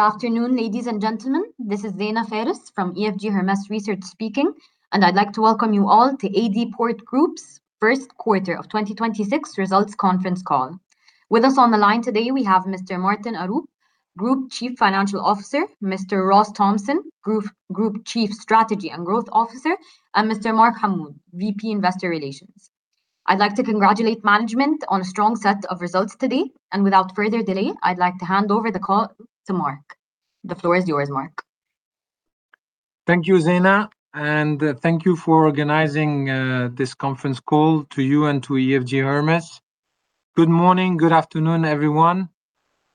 Afternoon, ladies and gentlemen. This is Zeina Fares from EFG Hermes Research speaking, and I'd like to welcome you all to AD Ports Group's First Quarter of 2026 Results Conference Call. With us on the line today we have Mr. Martin Aarup, Group Chief Financial Officer; Mr. Ross Thompson, Group Chief Strategy and Growth Officer; and Mr. Marc Hammoud, VP Investor Relations. I'd like to congratulate management on a strong set of results today, and without further delay, I'd like to hand over the call to Marc. The floor is yours, Marc. Thank you, Zeina, and thank you for organizing this conference call to you and to EFG Hermes. Good morning, good afternoon, everyone.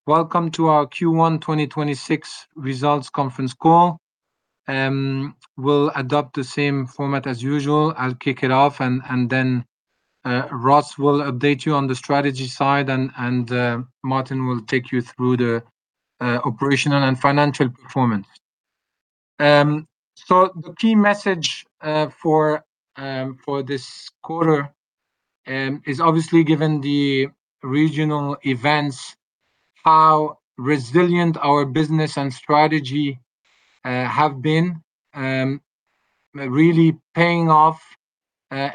Welcome to our Q1 2026 results conference call. We'll adopt the same format as usual. I'll kick it off, and then Ross will update you on the strategy side and Martin will take you through the operational and financial performance. The key message for this quarter is obviously given the regional events, how resilient our business and strategy have been, really paying off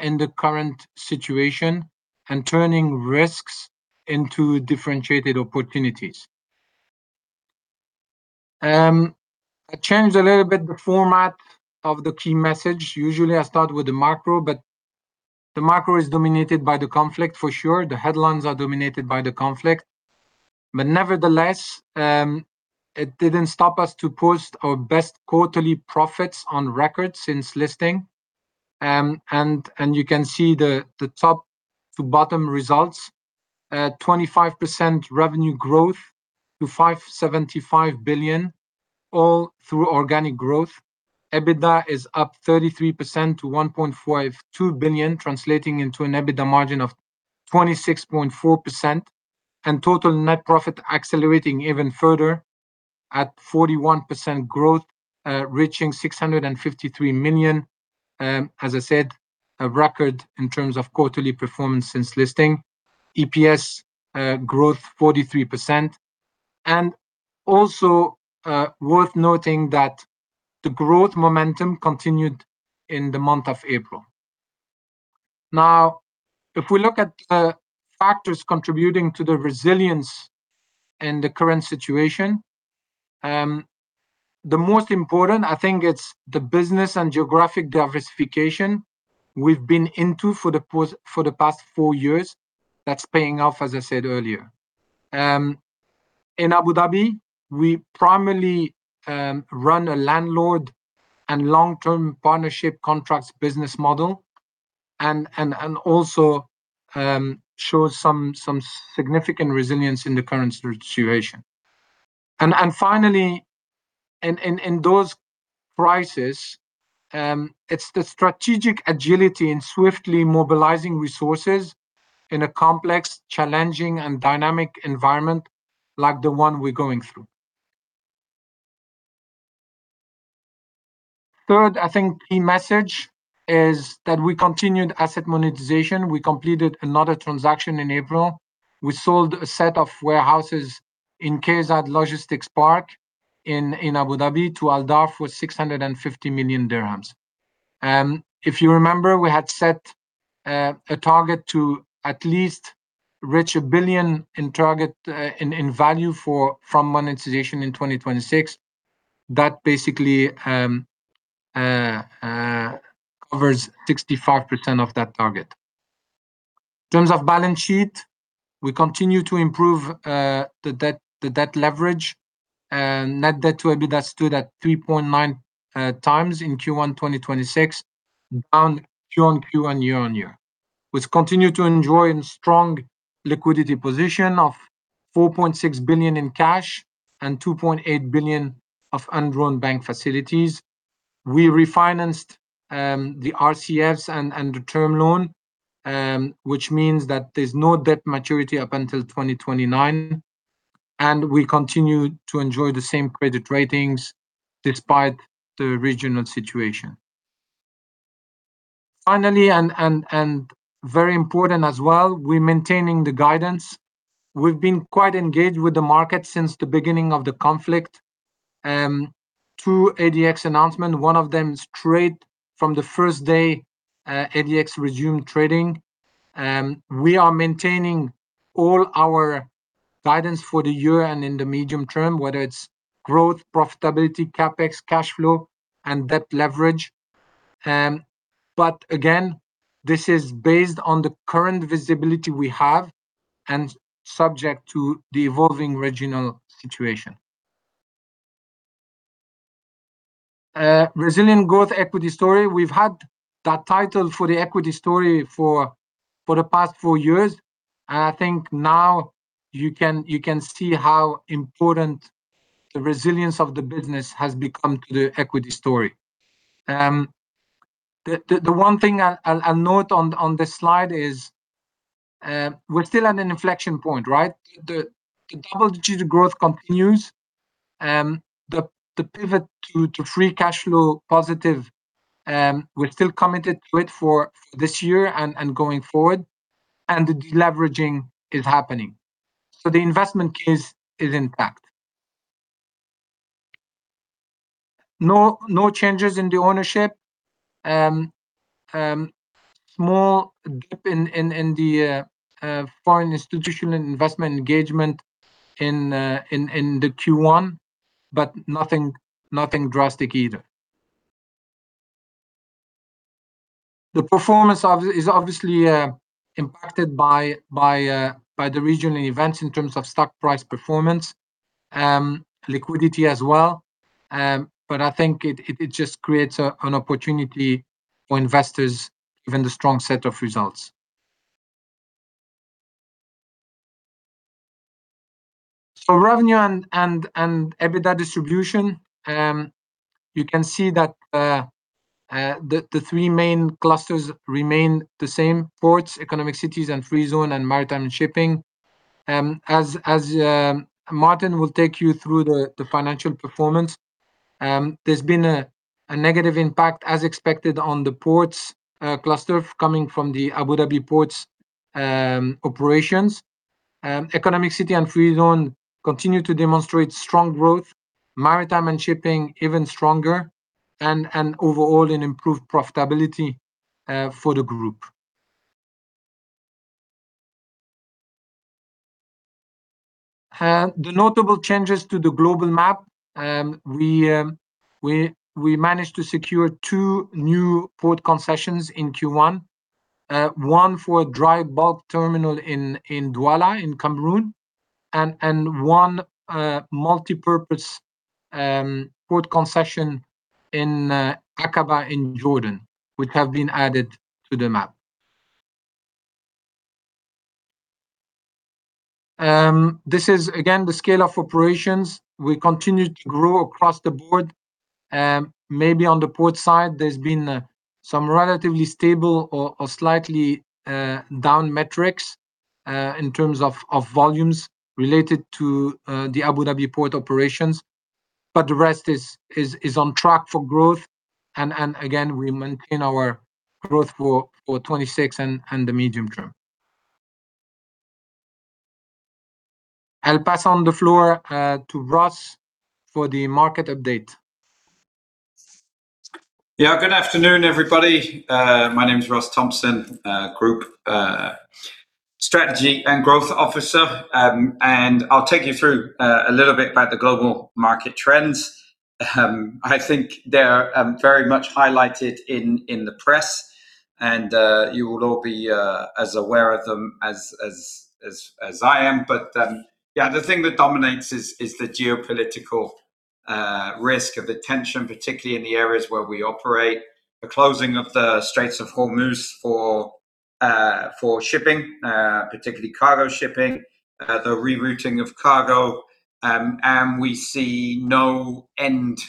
in the current situation and turning risks into differentiated opportunities. I changed a little bit the format of the key message. Usually I start with the macro. The macro is dominated by the conflict for sure. The headlines are dominated by the conflict. Nevertheless, it didn't stop us to post our best quarterly profits on record since listing. You can see the top-to-bottom results. 25% revenue growth to 5.75 billion, all through organic growth. EBITDA is up 33% to 1.52 billion, translating into an EBITDA margin of 26.4%, and total net profit accelerating even further at 41% growth, reaching 653 million. As I said, a record in terms of quarterly performance since listing. EPS growth 43%. Also, worth noting that the growth momentum continued in the month of April. Now, if we look at the factors contributing to the resilience in the current situation, the most important I think it's the business and geographic diversification we've been into for the past four years that's paying off, as I said earlier. In Abu Dhabi, we primarily run a landlord and long-term partnership contracts business model and also shows some significant resilience in the current situation. Finally, in those prices, it's the strategic agility in swiftly mobilizing resources in a complex, challenging and dynamic environment like the one we're going through. Third, I think key message is that we continued asset monetization. We completed another transaction in April. We sold a set of warehouses in KEZAD Logistics Park in Abu Dhabi to Aldar for 650 million dirhams. If you remember, we had set a target to at least reach 1 billion in target value for from monetization in 2026. That basically covers 65% of that target. In terms of balance sheet, we continue to improve the debt leverage. Net debt to EBITDA stood at 3.9x in Q1 2026, down Q-on-Q and year-on-year. We've continued to enjoy a strong liquidity position of 4.6 billion in cash and 2.8 billion of undrawn bank facilities. We refinanced the RCFs and the term loan, which means that there's no debt maturity up until 2029, and we continue to enjoy the same credit ratings despite the regional situation. Finally, and very important as well, we're maintaining the guidance. We've been quite engaged with the market since the beginning of the conflict, through ADX announcement, one of them straight from the first day, ADX resumed trading. We are maintaining all our guidance for the year and in the medium term, whether it's growth, profitability, CapEx, cash flow, and debt leverage. Again, this is based on the current visibility we have and subject to the evolving regional situation. Resilient growth equity story. We've had that title for the equity story for the past four years, and I think now you can see how important the resilience of the business has become to the equity story. The one thing I'll note on this slide is, we're still at an inflection point, right? The double-digit growth continues. The pivot to free cash flow positive, we're still committed to it for this year and going forward. The deleveraging is happening. The investment case is intact. No changes in the ownership. Small dip in the foreign institutional investment engagement in the Q1, but nothing drastic either. The performance is obviously impacted by the regional events in terms of stock price performance, liquidity as well. I think it just creates an opportunity for investors given the strong set of results. Revenue and EBITDA distribution. You can see that the three main clusters remain the same; Ports, Economic Cities and Free Zone, and Maritime and Shipping. As Martin will take you through the financial performance, there's been a negative impact, as expected, on the Ports Cluster coming from the Abu Dhabi Ports operations. Economic City and Free Zone continue to demonstrate strong growth, Maritime and Shipping even stronger, and overall an improved profitability for the group. The notable changes to the global map, we managed to secure two new port concessions in Q1. One for a dry bulk terminal in Douala in Cameroon and one multipurpose port concession in Aqaba in Jordan, which have been added to the map. This is again the scale of operations. We continue to grow across the board. Maybe on the port side there's been some relatively stable or slightly down metrics in terms of volumes related to the Abu Dhabi Port operations, but the rest is on track for growth and again, we maintain our growth for 2026 and the medium term. I'll pass on the floor to Ross for the market update. Good afternoon, everybody. My name is Ross Thompson, Group Strategy and Growth Officer. I'll take you through a little bit about the global market trends. I think they're very much highlighted in the press and you will all be as aware of them as I am. The thing that dominates is the geopolitical risk of the tension, particularly in the areas where we operate. The closing of the Straits of Hormuz for shipping, particularly cargo shipping, the rerouting of cargo. We see no end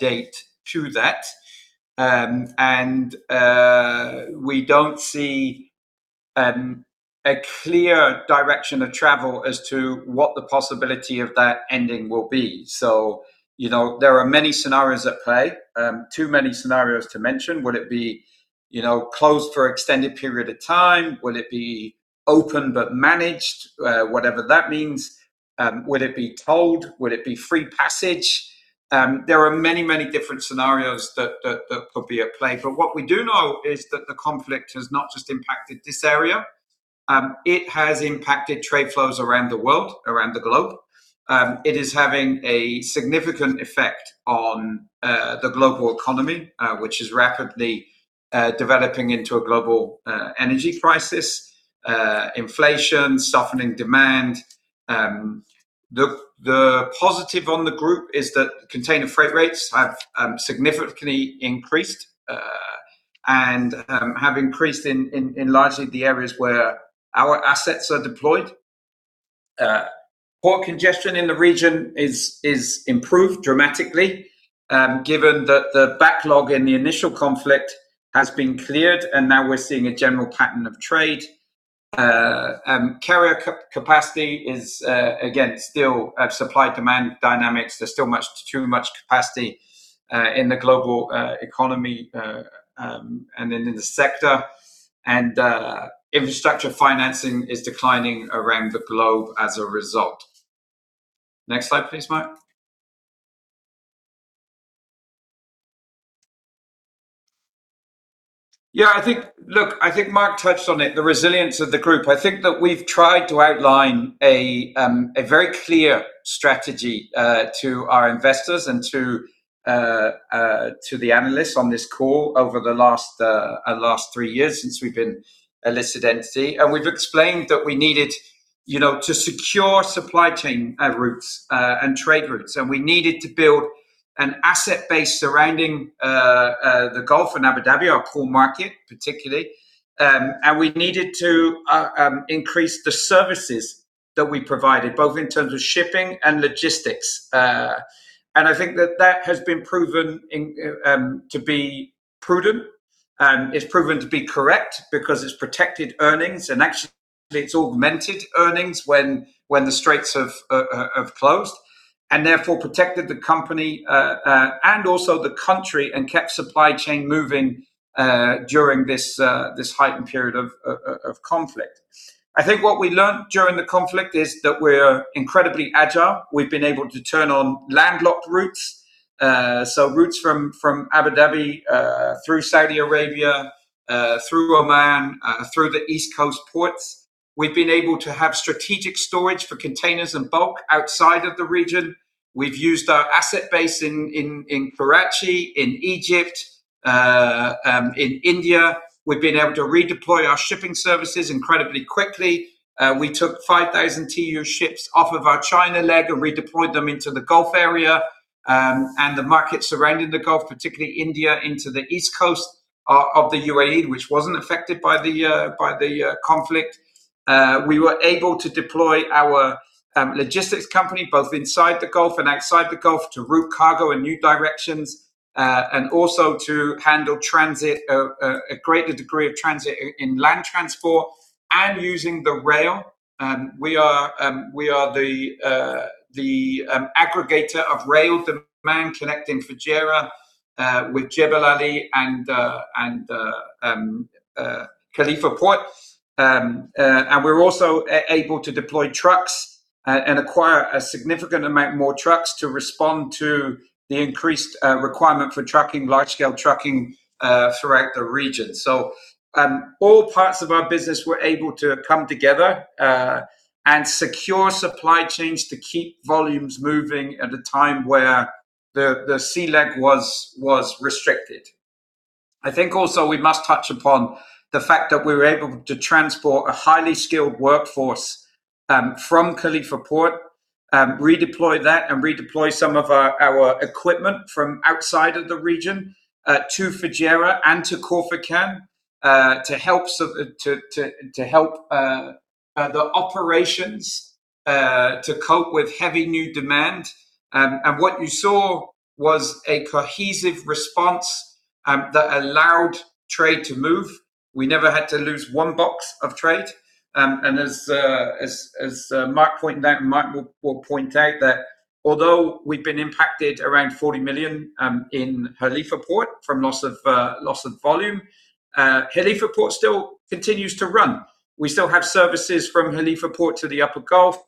date to that. We don't see a clear direction of travel as to what the possibility of that ending will be. You know, there are many scenarios at play, too many scenarios to mention. Would it be, you know, closed for extended period of time? Will it be open but managed, whatever that means? Would it be tolled? Would it be free passage? There are many, many different scenarios that could be at play. What we do know is that the conflict has not just impacted this area, it has impacted trade flows around the world, around the globe. It is having a significant effect on the global economy, which is rapidly developing into a global energy crisis. Inflation, softening demand. The positive on the group is that container freight rates have significantly increased and have increased in largely the areas where our assets are deployed. Port congestion in the region is improved dramatically, given that the backlog in the initial conflict has been cleared and now we're seeing a general pattern of trade. Carrier capacity is again, still, supply-demand dynamics. There's still much, too much capacity in the global economy and in the sector. Infrastructure financing is declining around the globe as a result. Next slide please, Marc. Look, I think Marc touched on it, the resilience of the group. I think that we've tried to outline a very clear strategy to our investors and to the analysts on this call over the last three years since we've been a listed entity. We've explained that we needed, you know, to secure supply chain routes and trade routes, and we needed to build an asset base surrounding the Gulf and Abu Dhabi, our core market particularly. We needed to increase the services that we provided, both in terms of Shipping and Logistics. I think that that has been proven to be prudent, it's proven to be correct because it's protected earnings and actually, it's augmented earnings when the Straits have closed and therefore protected the company and also the country and kept supply chain moving during this heightened period of conflict. I think what we learned during the conflict is that we're incredibly agile. We've been able to turn on landlocked routes. Routes from Abu Dhabi, through Saudi Arabia, through Oman, through the East Coast ports. We've been able to have strategic storage for containers and bulk outside of the region. We've used our asset base in Karachi, in Egypt, in India. We've been able to redeploy our shipping services incredibly quickly. We took 5,000 TEU ships off of our China leg and redeployed them into the Gulf area, and the markets surrounding the Gulf, particularly India, into the east coast of the UAE, which wasn't affected by the conflict. We were able to deploy our logistics company both inside the Gulf and outside the Gulf to route cargo in new directions, and also to handle transit, a greater degree of transit in-land transport and using the rail. We are the aggregator of rail demand connecting Fujairah with Jebel Ali and Khalifa Port. We're also able to deploy trucks and acquire a significant amount more trucks to respond to the increased requirement for trucking, large scale trucking, throughout the region. All parts of our business were able to come together and secure supply chains to keep volumes moving at a time where the sea leg was restricted. I think also we must touch upon the fact that we were able to transport a highly skilled workforce from Khalifa Port, redeploy that and redeploy some of our equipment from outside of the region to Fujairah and to Khor Fakkan to help the operations to cope with heavy new demand. What you saw was a cohesive response that allowed trade to move. We never had to lose one box of trade. As Marc pointed out, and Martin will point out that although we've been impacted around 40 million in Khalifa Port from loss of loss of volume, Khalifa Port still continues to run. We still have services from Khalifa Port to the upper Gulf,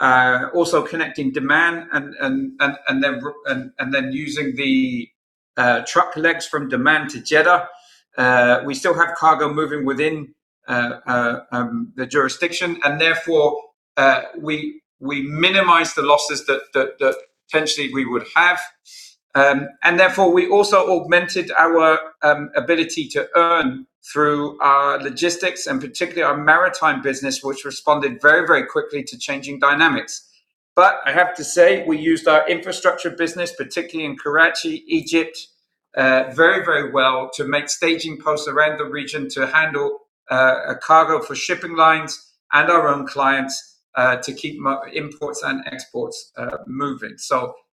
also connecting demand and then using the truck legs from demand to Jeddah. We still have cargo moving within the jurisdiction and therefore, we minimize the losses that potentially we would have. Therefore, we also augmented our ability to earn through our logistics and particularly our maritime business, which responded very quickly to changing dynamics. I have to say, we used our infrastructure business, particularly in Karachi, Egypt, very well to make staging posts around the region to handle cargo for shipping lines and our own clients to keep imports and exports moving.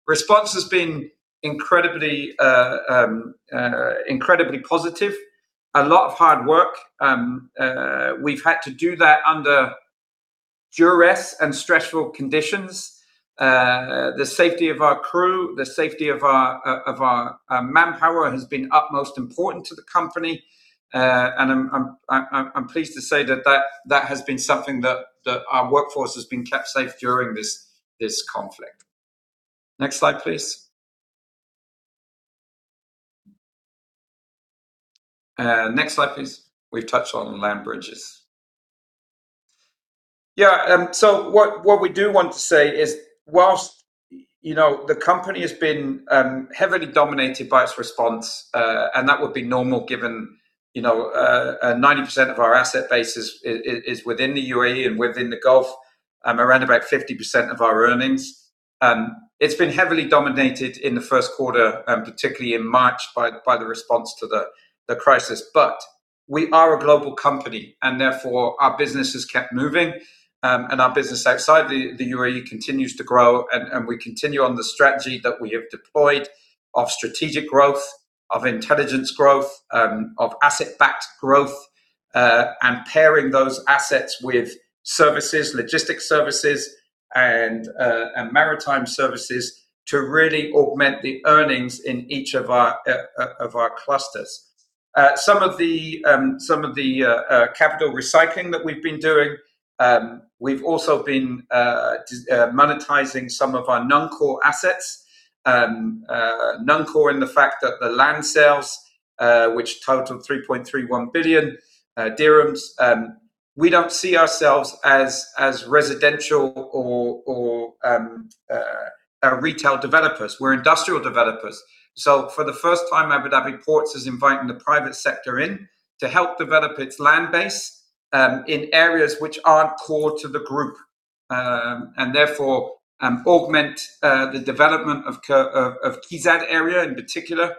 Response has been incredibly positive. A lot of hard work. We've had to do that under duress and stressful conditions. The safety of our crew, the safety of our of our manpower has been utmost important to the company. And I'm pleased to say that that has been something that our workforce has been kept safe during this conflict. Next slide, please. Next slide, please. We've touched on land bridges. Yeah. What we do want to say is whilst, you know, the company has been heavily dominated by its response, and that would be normal given, you know, 90% of our asset base is within the UAE and within the Gulf, around about 50% of our earnings. It's been heavily dominated in the first quarter, particularly in March by the response to the crisis. We are a global company and therefore our business has kept moving, and our business outside the UAE continues to grow and we continue on the strategy that we have deployed of strategic growth, of intelligence growth, of asset backed growth, and pairing those assets with services, logistics services and maritime services to really augment the earnings in each of our clusters. Some of the capital recycling that we've been doing, we've also been monetizing some of our non-core assets. Non-core in the fact that the land sales, which total 3.31 billion dirhams, we don't see ourselves as residential or retail developers. We're industrial developers. For the first time, Abu Dhabi Ports is inviting the private sector in to help develop its land base in areas which aren't core to the group. Therefore, augment the development of KEZAD area in particular,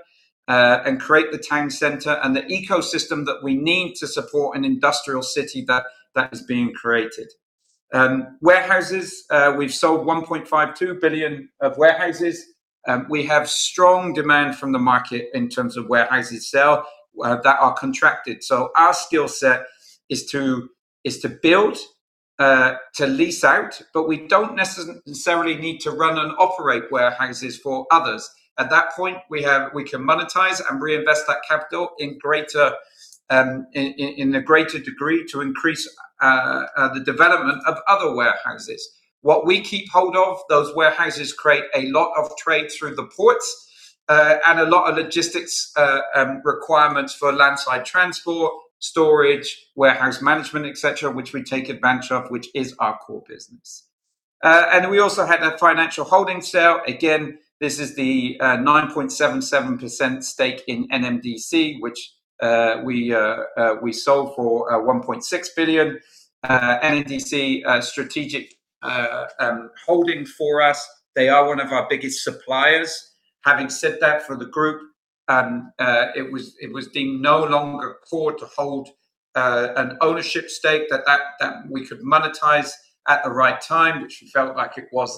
and create the town center and the ecosystem that we need to support an industrial city that is being created. Warehouses. We've sold 1.52 billion of warehouses. We have strong demand from the market in terms of warehouses sale that are contracted. Our skill set is to build, to lease out, but we don't necessarily need to run and operate warehouses for others. At that point, we can monetize and reinvest that capital in greater, in a greater degree to increase the development of other warehouses. What we keep hold of those warehouses create a lot of trade through the ports, and a lot of logistics requirements for landside transport, storage, warehouse management, et cetera, which we take advantage of, which is our core business. And we also had a financial holding sale. Again, this is the 9.77% stake in NMDC, which we sold for 1.6 billion. NMDC a strategic holding for us. They are one of our biggest suppliers. Having said that, for the group, it was deemed no longer core to hold an ownership stake that we could monetize at the right time, which we felt like it was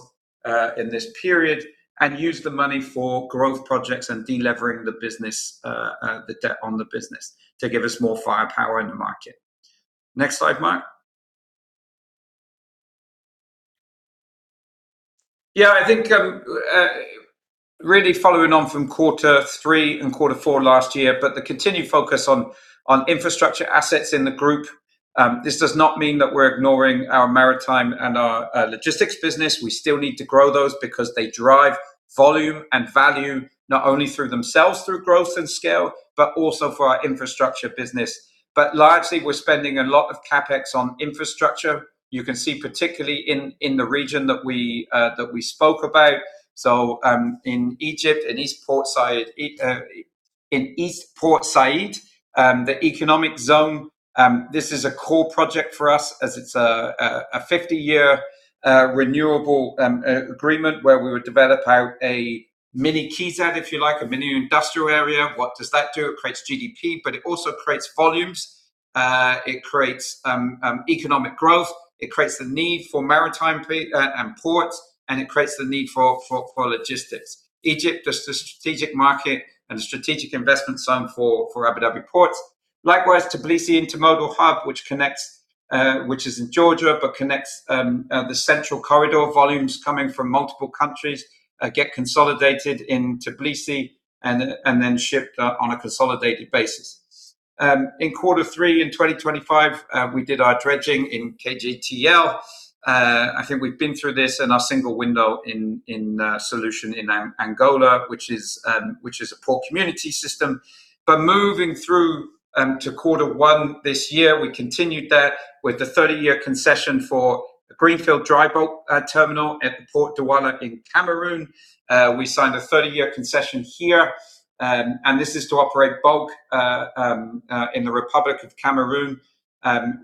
in this period, and use the money for growth projects and de-levering the business, the debt on the business to give us more firepower in the market. Next slide, Marc. Yeah, I think really following on from quarter three and quarter four last year, but the continued focus on infrastructure assets in the group, this does not mean that we're ignoring our maritime and our logistics business. We still need to grow those because they drive volume and value, not only through themselves, through growth and scale, but also for our infrastructure business. Largely, we're spending a lot of CapEx on infrastructure. You can see, particularly in the region that we spoke about. In Egypt, in East Port Said, the economic zone, this is a core project for us as it's a 50-year renewable agreement where we would develop out a mini KEZAD, if you like, a mini industrial area. What does that do? It creates GDP, it also creates volumes. It creates economic growth, it creates the need for maritime and ports, and it creates the need for logistics. Egypt is a strategic market and a strategic investment zone for Abu Dhabi Ports. Likewise, Tbilisi Intermodal Hub, which connects, which is in Georgia, but connects, the central corridor volumes coming from multiple countries, get consolidated in Tbilisi and then shipped, on a consolidated basis. In quarter three in 2025, we did our dredging in KGTL. I think we've been through this in our single window solution in Angola, which is a port community system. Moving through, to quarter one this year, we continued that with the 30-year concession for the Greenfield dry bulk terminal at the Port Douala in Cameroon. We signed a 30-year concession here. This is to operate bulk in the Republic of Cameroon.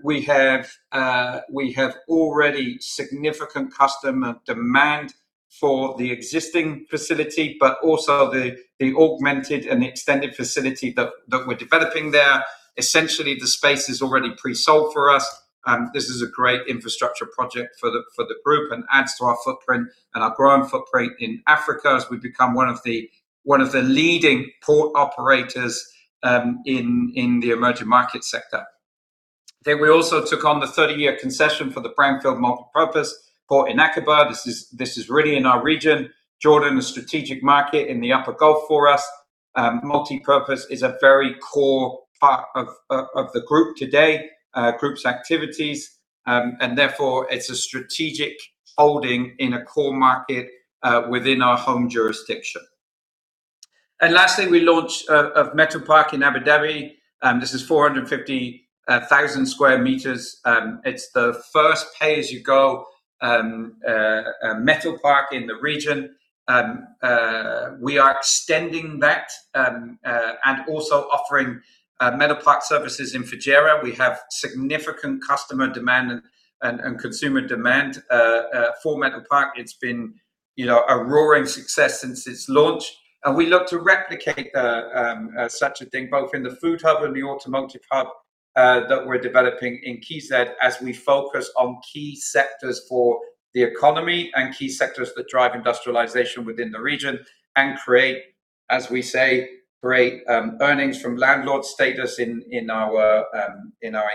We have already significant customer demand for the existing facility, but also the augmented and extended facility that we're developing there. Essentially, the space is already pre-sold for us. This is a great infrastructure project for the group and adds to our footprint and our growing footprint in Africa as we become one of the leading port operators in the emerging market sector. We also took on the 30-year concession for the Brownfield Multi-Purpose Port in Aqaba. This is really in our region. Jordan, a strategic market in the Upper Gulf for us. Multipurpose is a very core part of the group today, group's activities. Therefore, it's a strategic holding in a core market within our home jurisdiction. Lastly, we launched a Metal Park in Abu Dhabi. This is 450,000 sq m. It's the first pay-as-you-go Metal Park in the region. We are extending that and also offering Metal Park services in Fujairah. We have significant customer demand and consumer demand for Metal Park. It's been, you know, a roaring success since its launch. We look to replicate such a thing both in the Food Hub and the Automotive Hub that we're developing in KEZAD as we focus on key sectors for the economy and key sectors that drive industrialization within the region and create, as we say, create earnings from landlord status in our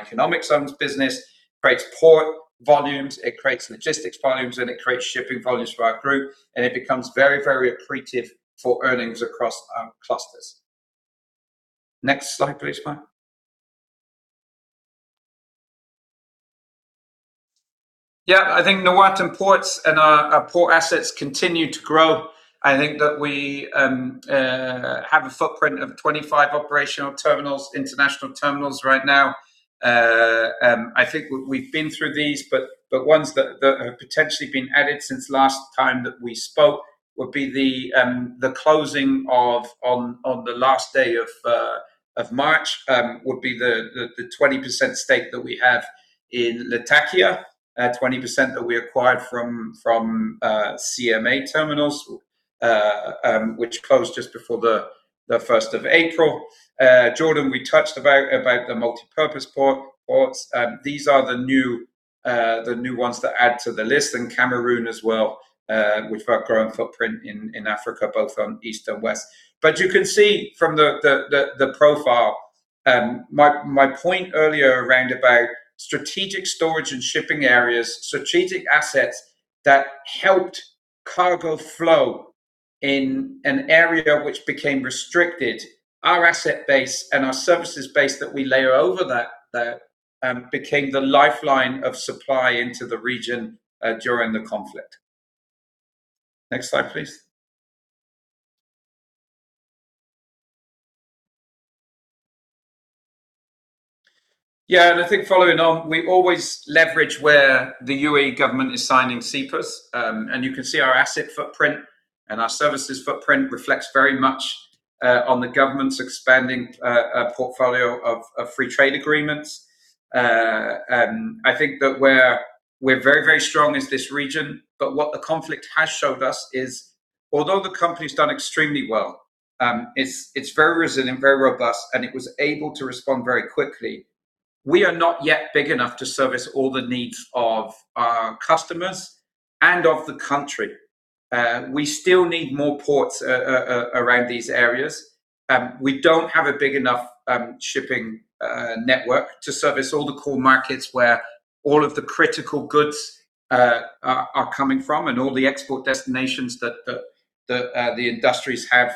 economic zones business. Creates port volumes, it creates logistics volumes, and it creates shipping volumes for our group, and it becomes very, very accretive for earnings across our clusters. Next slide, please, Marc. I think Noatum Ports and our port assets continue to grow. I think that we have a footprint of 25 operational terminals, international terminals right now. I think we've been through these, but ones that have potentially been added since last time that we spoke would be the closing of on the last day of March, would be the 20% stake that we have in Latakia. 20% that we acquired from CMA Terminals, which closed just before the first of April. Jordan, we touched about the multipurpose ports. These are the new ones that add to the list. Cameroon as well, with our growing footprint in Africa, both East and West. You can see from the profile, my point earlier around about strategic storage and shipping areas, strategic assets that helped cargo flow in an area which became restricted. Our asset base and our services base that we layer over that became the lifeline of supply into the region during the conflict. Next slide, please. I think following on, we always leverage where the UAE government is signing CEPAs. You can see our asset footprint and our services footprint reflects very much on the government's expanding portfolio of free trade agreements. I think that where we're very, very strong is this region, what the conflict has showed us is although the company's done extremely well, it's very resilient and very robust, and it was able to respond very quickly. We are not yet big enough to service all the needs of our customers and of the country. We still need more ports around these areas. We don't have a big enough shipping network to service all the core markets where all of the critical goods are coming from and all the export destinations that the industries have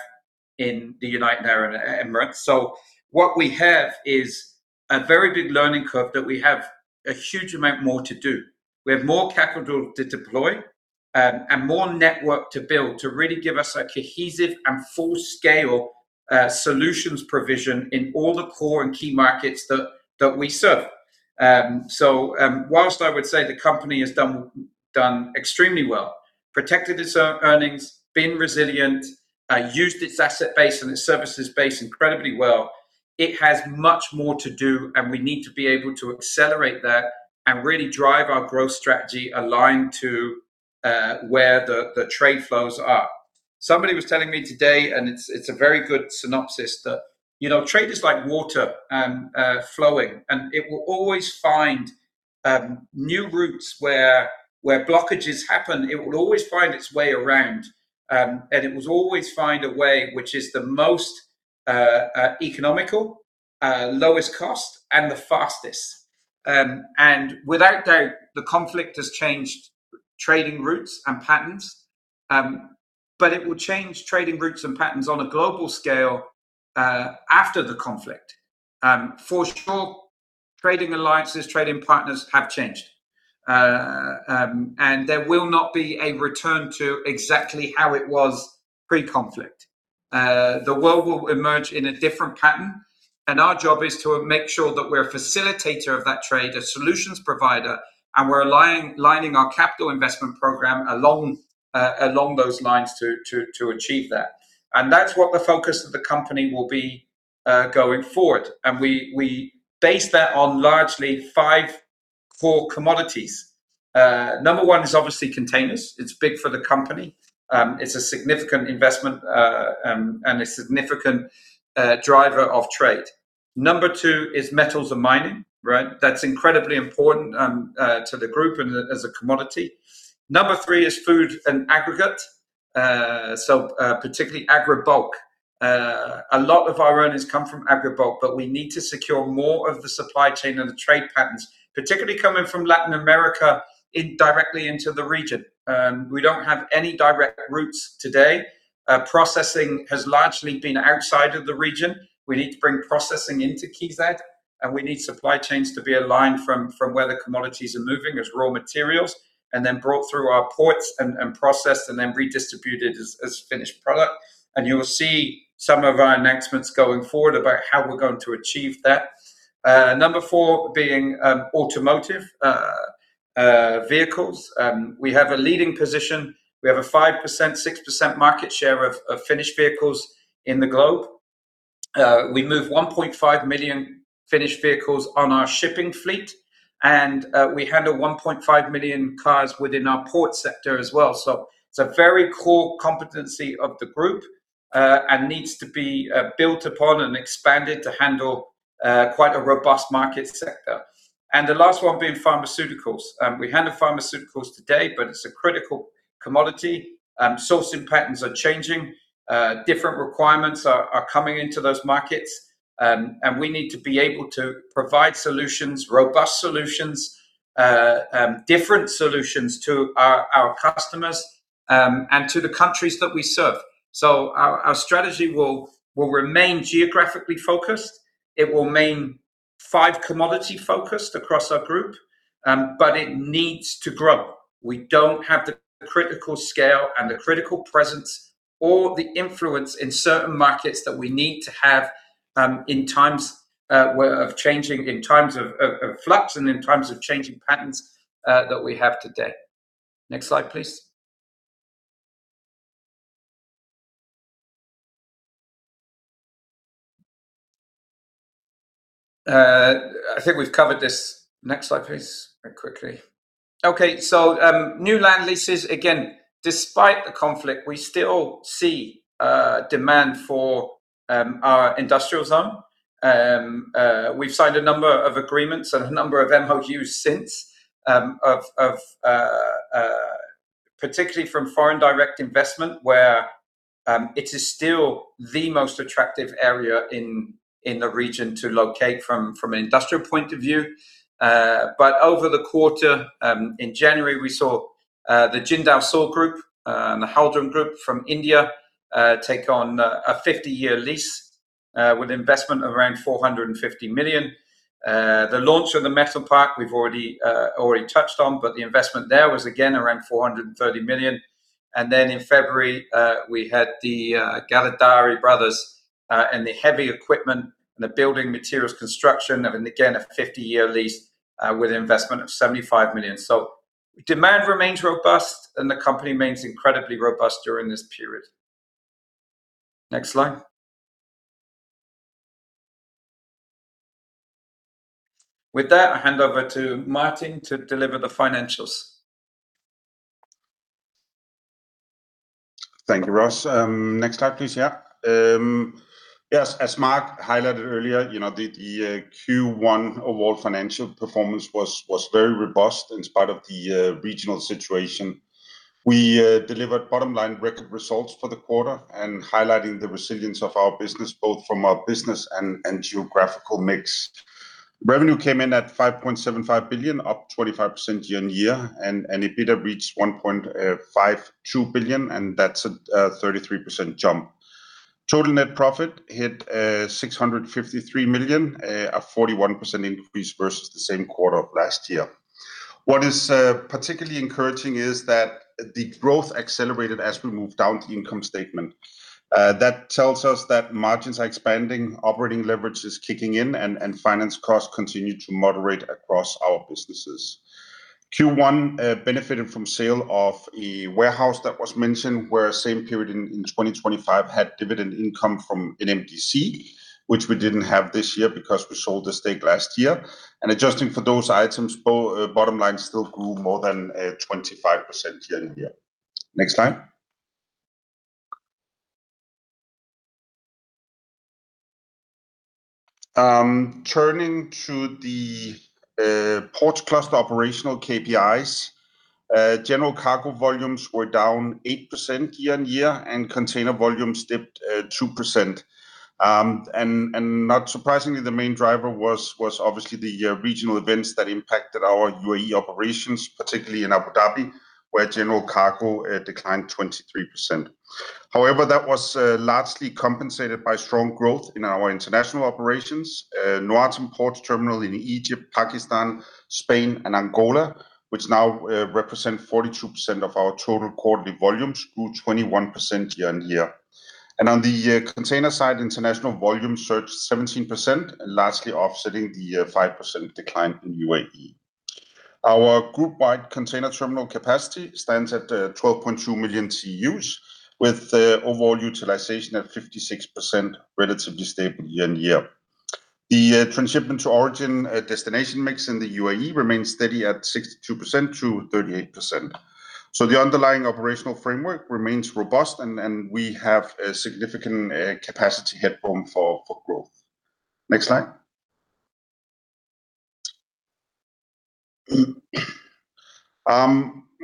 in the United Arab Emirates. What we have is a very big learning curve that we have a huge amount more to do. We have more capital to deploy, and more network to build to really give us a cohesive and full scale solutions provision in all the core and key markets that we serve. Whilst I would say the company has done extremely well, protected its earnings, been resilient, used its asset base and its services base incredibly well, it has much more to do, and we need to be able to accelerate that and really drive our growth strategy aligned to where the trade flows are. Somebody was telling me today, and it's a very good synopsis that, you know, trade is like water, flowing, and it will always find new routes. Where blockages happen, it will always find its way around. It will always find a way which is the most economical, lowest cost and the fastest. Without doubt, the conflict has changed trading routes and patterns. It will change trading routes and patterns on a global scale after the conflict. For sure trading alliances, trading partners have changed. There will not be a return to exactly how it was pre-conflict. The world will emerge in a different pattern, and our job is to make sure that we're a facilitator of that trade, a solutions provider, and we're lining our capital investment program along those lines to achieve that. That's what the focus of the company will be going forward. We base that on largely five core commodities. Number one is obviously containers. It's big for the company. It's a significant investment and a significant driver of trade. Number two is metals and mining, right? That's incredibly important to the group and as a commodity. Number three is food and aggregate. Particularly agri-bulk. A lot of our earnings come from agri-bulk, but we need to secure more of the supply chain and the trade patterns, particularly coming from Latin America directly into the region. We don't have any direct routes today. Processing has largely been outside of the region. We need to bring processing into KEZAD, and we need supply chains to be aligned from where the commodities are moving as raw materials and then brought through our ports and processed and then redistributed as finished product. You will see some of our announcements going forward about how we're going to achieve that. Number four being automotive vehicles. We have a leading position. We have a 5%, 6% market share of finished vehicles in the globe. We move 1.5 million finished vehicles on our shipping fleet, and we handle 1.5 million cars within our port sector as well. It's a very core competency of the group and needs to be built upon and expanded to handle quite a robust market sector. The last one being pharmaceuticals. We handle pharmaceuticals today, but it's a critical commodity. Sourcing patterns are changing. Different requirements are coming into those markets, and we need to be able to provide solutions, robust solutions, different solutions to our customers, and to the countries that we serve. Our strategy will remain geographically focused. It will remain five commodity focused across our group, but it needs to grow. We don't have the critical scale and the critical presence or the influence in certain markets that we need to have, in times of changing, in times of flux and in times of changing patterns that we have today. Next slide, please. I think we've covered this. Next slide, please, very quickly. New land leases. Again, despite the conflict, we still see demand for our industrial zone. We've signed a number of agreements and a number of MoUs since, particularly from foreign direct investment, where it is still the most attractive area in the region to locate from an industrial point of view. Over the quarter, in January, we saw the Jindal SAW Group, the Haldiram Group from India, take on a 50-year lease, with investment of around 450 million. The launch of the Metal Park, we've already touched on, but the investment there was again around 430 million. In February, we had the Galadari Brothers, and the heavy equipment and the building materials construction, and again, a 50-year lease, with investment of 75 million. Demand remains robust, and the company remains incredibly robust during this period. Next slide. With that, I hand over to Martin to deliver the financials. Thank you, Ross. Next slide, please. Yes, as Marc highlighted earlier, you know, the Q1 overall financial performance was very robust in spite of the regional situation. We delivered bottom-line record results for the quarter and highlighting the resilience of our business, both from our business and geographical mix. Revenue came in at 5.75 billion, up 25% year-on-year, and EBITDA reached 1.52 billion, and that's a 33% jump. Total net profit hit 653 million, a 41% increase versus the same quarter of last year. What is particularly encouraging is that the growth accelerated as we move down the income statement. That tells us that margins are expanding, operating leverage is kicking in, and finance costs continue to moderate across our businesses. Q1 benefited from sale of a warehouse that was mentioned, where same period in 2025 had dividend income from NMDC, which we didn't have this year because we sold the stake last year. Adjusting for those items, bottom line still grew more than 25% year-on-year. Next slide. Turning to the Ports Cluster operational KPIs, general cargo volumes were down 8% year-on-year, and container volumes dipped 2%. Not surprisingly, the main driver was obviously the regional events that impacted our UAE operations, particularly in Abu Dhabi, where general cargo declined 23%. However, that was largely compensated by strong growth in our international operations. Noatum Port Terminal in Egypt, Pakistan, Spain, and Angola, which now represent 42% of our total quarterly volumes, grew 21% year-on-year. On the container side, international volume surged 17%, largely offsetting the 5% decline in UAE. Our group-wide container terminal capacity stands at 12.2 million TEUs, with the overall utilization at 56%, relatively stable year-on-year. Transshipment to origin destination mix in the UAE remains steady at 62% to 38%. The underlying operational framework remains robust, and we have a significant capacity headroom for growth. Next slide.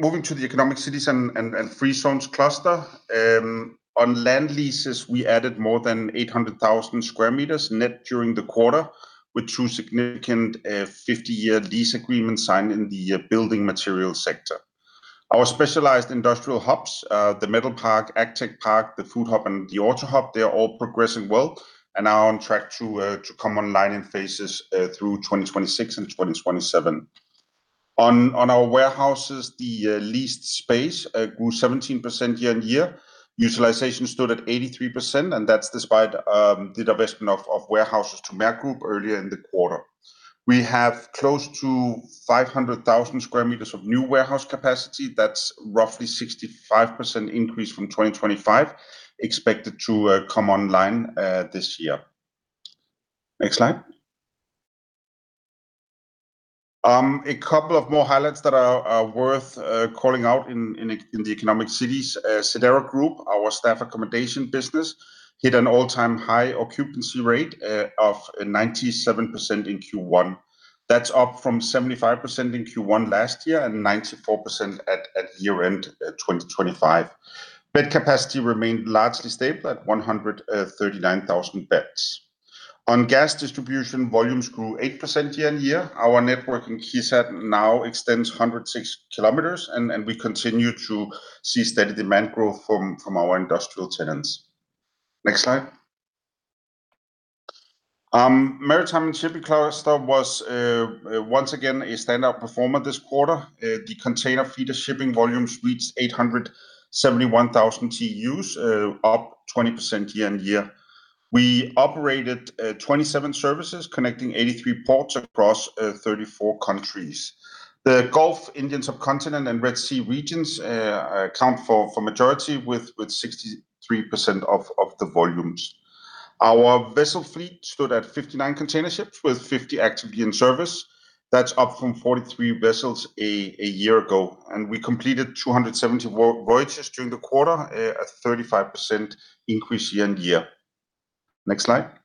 Moving to the Economic Cities and Free Zones Cluster. On land leases, we added more than 800,000 sq m net during the quarter, with two significant 50-year lease agreements signed in the building material sector. Our specialized industrial hubs, the Metal Park, Agri-Park, the Food Hub, and the Auto Hub, they are all progressing well and are on track to come online in phases through 2026 and 2027. On our warehouses, the leased space grew 17% year-on-year. Utilization stood at 83%, and that's despite the divestment of warehouses to Maersk Group earlier in the quarter. We have close to 500,000 sq m of new warehouse capacity. That's roughly 65% increase from 2025, expected to come online this year. Next slide. A couple of more highlights that are worth calling out in the Economic Cities. Sdeira Group, our staff accommodation business, hit an all-time high occupancy rate of 97% in Q1. That's up from 75% in Q1 last year and 94% at year-end 2025. Bed capacity remained largely stable at 139,000 beds. On gas distribution, volumes grew 8% year-on-year. Our network in KEZAD now extends 106 km, and we continue to see steady demand growth from our industrial tenants. Next slide. Maritime and Shipping Cluster was once again a standout performer this quarter. The container feeder shipping volumes reached 871,000 TEUs, up 20% year-on-year. We operated 27 services connecting 83 ports across 34 countries. The Gulf, Indian subcontinent, and Red Sea regions account for majority with 63% of the volumes. Our vessel fleet stood at 59 container ships, with 50 actively in service. That's up from 43 vessels a year ago. We completed 270 voyages during the quarter, at 35% increase year-on-year. Next slide.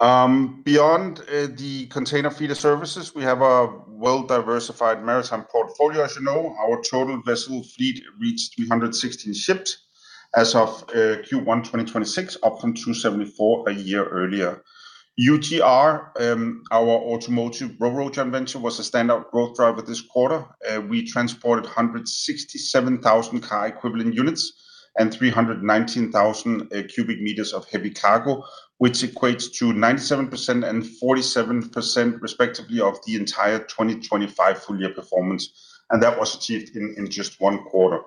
Beyond the container feeder services, we have a well-diversified maritime portfolio, as you know. Our total vessel fleet reached 316 ships as of Q1 2026, up from 274 a year earlier. UTR, our automotive ro-ro joint venture, was a standout growth driver this quarter. We transported 167,000 car equivalent units and 319,000 cubic meters of heavy cargo, which equates to 97% and 47% respectively of the entire 2025 full year performance. That was achieved in just one quarter.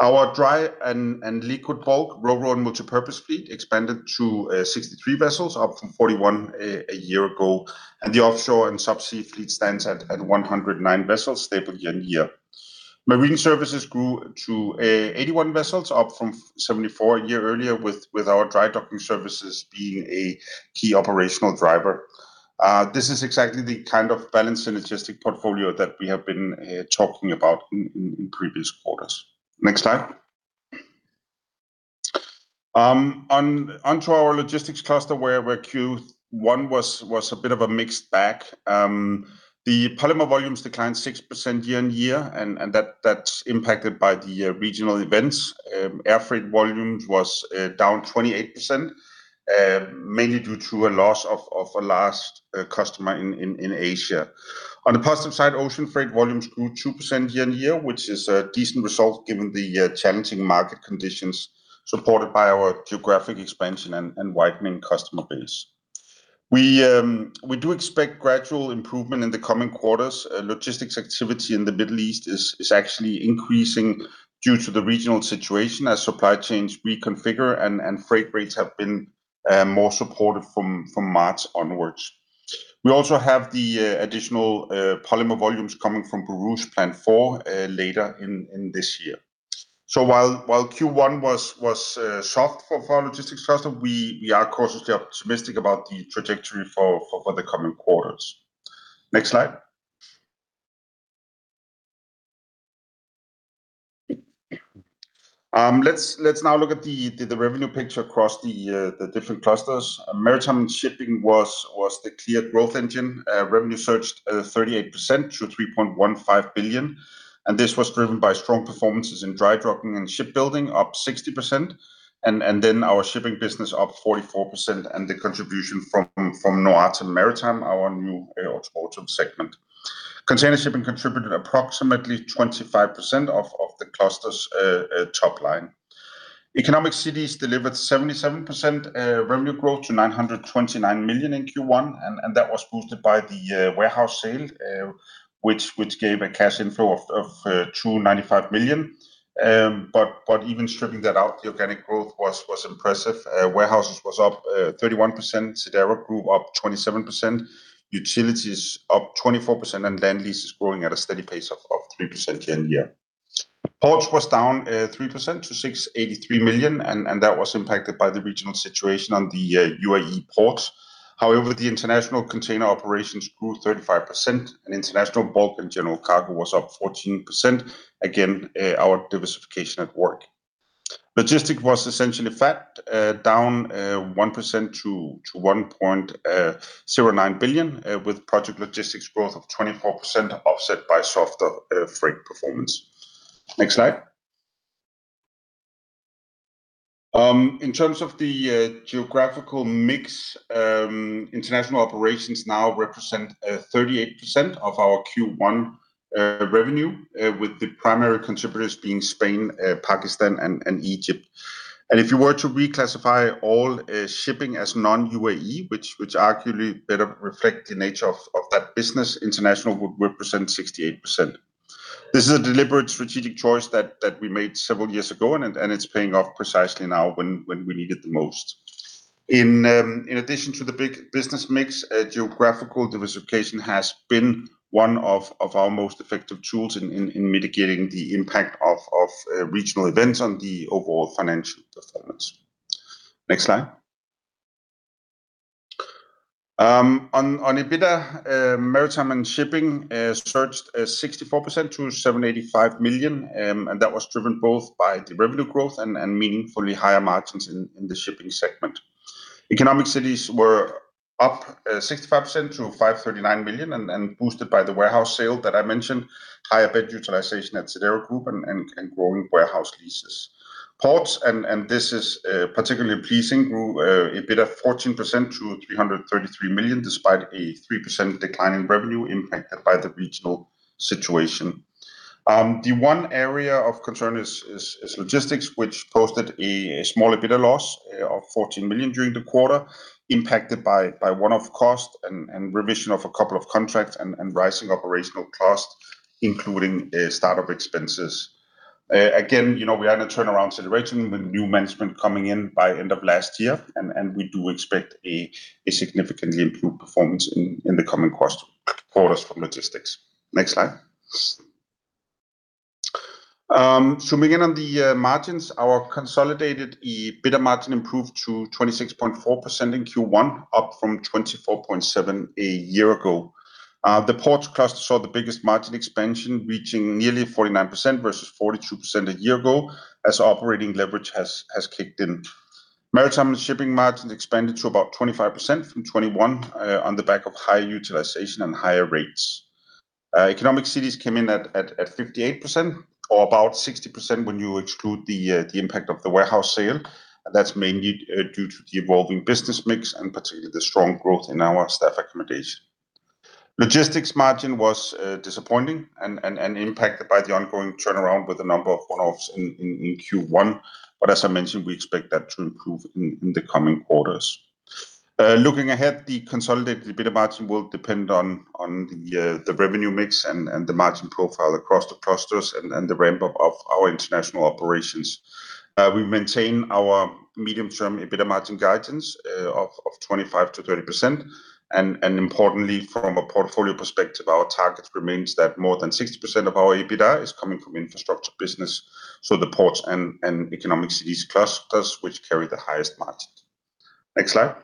Our dry and liquid bulk, ro-ro and multipurpose fleet expanded to 63 vessels, up from 41 a year ago, and the offshore and subsea fleet stands at 109 vessels, stable year-on-year. Marine services grew to 81 vessels, up from 74 a year earlier with our dry docking services being a key operational driver. This is exactly the kind of balanced synergistic portfolio that we have been talking about in previous quarters. Next slide. Onto our Logistics Cluster, where Q1 was a bit of a mixed bag. The polymer volumes declined 6% year-on-year, and that's impacted by the regional events. Air freight volumes was down 28%, mainly due to a loss of a large customer in Asia. On the positive side, ocean freight volumes grew 2% year-on-year, which is a decent result given the challenging market conditions, supported by our geographic expansion and widening customer base. We do expect gradual improvement in the coming quarters. Logistics activity in the Middle East is actually increasing due to the regional situation as supply chains reconfigure and freight rates have been more supportive from March onwards. We also have the additional polymer volumes coming from Borouge 4 later in this year. While Q1 was soft for our Logistics Cluster, we are cautiously optimistic about the trajectory for the coming quarters. Next slide. Let's now look at the revenue picture across the different clusters. Maritime and Shipping was the clear growth engine. Revenue surged 38% to 3.15 billion, and this was driven by strong performances in dry docking and shipbuilding, up 60%, and then our shipping business up 44%, and the contribution from Noatum Maritime, our new automotive segment. Container shipping contributed approximately 25% of the cluster's top line. Economic Cities delivered 77% revenue growth to 929 million in Q1. That was boosted by the warehouse sale, which gave a cash inflow of 295 million. Even stripping that out, the organic growth was impressive. Warehouses was up 31%, Sdeira Group up 27%, utilities up 24%, land leases growing at a steady pace of 3% year-on-year. Ports was down 3% to 683 million. That was impacted by the regional situation on the UAE ports. However, the international container operations grew 35%. International bulk and general cargo was up 14%. Again, our diversification at work. Logistics was essentially flat, down 1% to 1.09 billion, with project logistics growth of 24% offset by softer freight performance. Next slide. In terms of the geographical mix, international operations now represent 38% of our Q1 revenue, with the primary contributors being Spain, Pakistan, and Egypt. If you were to reclassify all shipping as non-UAE, which arguably better reflect the nature of that business, international would represent 68%. This is a deliberate strategic choice that we made several years ago, and it's paying off precisely now when we need it the most. In addition to the big business mix, geographical diversification has been one of our most effective tools in mitigating the impact of regional events on the overall financial performance. Next slide. On EBITDA, Maritime and Shipping surged 64% to 785 million, and that was driven both by the revenue growth and meaningfully higher margins in the shipping segment. Economic Cities were up 65% to 539 million, and boosted by the warehouse sale that I mentioned, higher bed utilization at Sdeira Group and growing warehouse leases. Ports, and this is particularly pleasing, grew EBITDA 14% to 333 million, despite a 3% decline in revenue impacted by the regional situation. The one area of concern is Logistics, which posted a small EBITDA loss of 14 million during the quarter, impacted by one-off costs and revision of a couple of contracts and rising operational costs, including start-up expenses. Again, you know, we are in a turnaround situation with new management coming in by end of last year, we do expect a significantly improved performance in the coming quarters from Logistics. Next slide. Zooming in on the margins, our consolidated EBITDA margin improved to 26.4% in Q1, up from 24.7% a year ago. The Ports Cluster saw the biggest margin expansion, reaching nearly 49% versus 42% a year ago as operating leverage has kicked in. Maritime and Shipping margins expanded to about 25% from 21, on the back of high utilization and higher rates. Economic cities came in at 58%, or about 60% when you exclude the impact of the warehouse sale. That's mainly due to the evolving business mix and particularly the strong growth in our staff accommodation. Logistics margin was disappointing and impacted by the ongoing turnaround with a number of one-offs in Q1, but as I mentioned, we expect that to improve in the coming quarters. Looking ahead, the consolidated EBITDA margin will depend on the revenue mix and the margin profile across the clusters and the ramp-up of our international operations. We maintain our medium-term EBITDA margin guidance of 25%-30%, and importantly, from a portfolio perspective, our target remains that more than 60% of our EBITDA is coming from infrastructure business, so the ports and economic cities clusters which carry the highest margin. Next slide.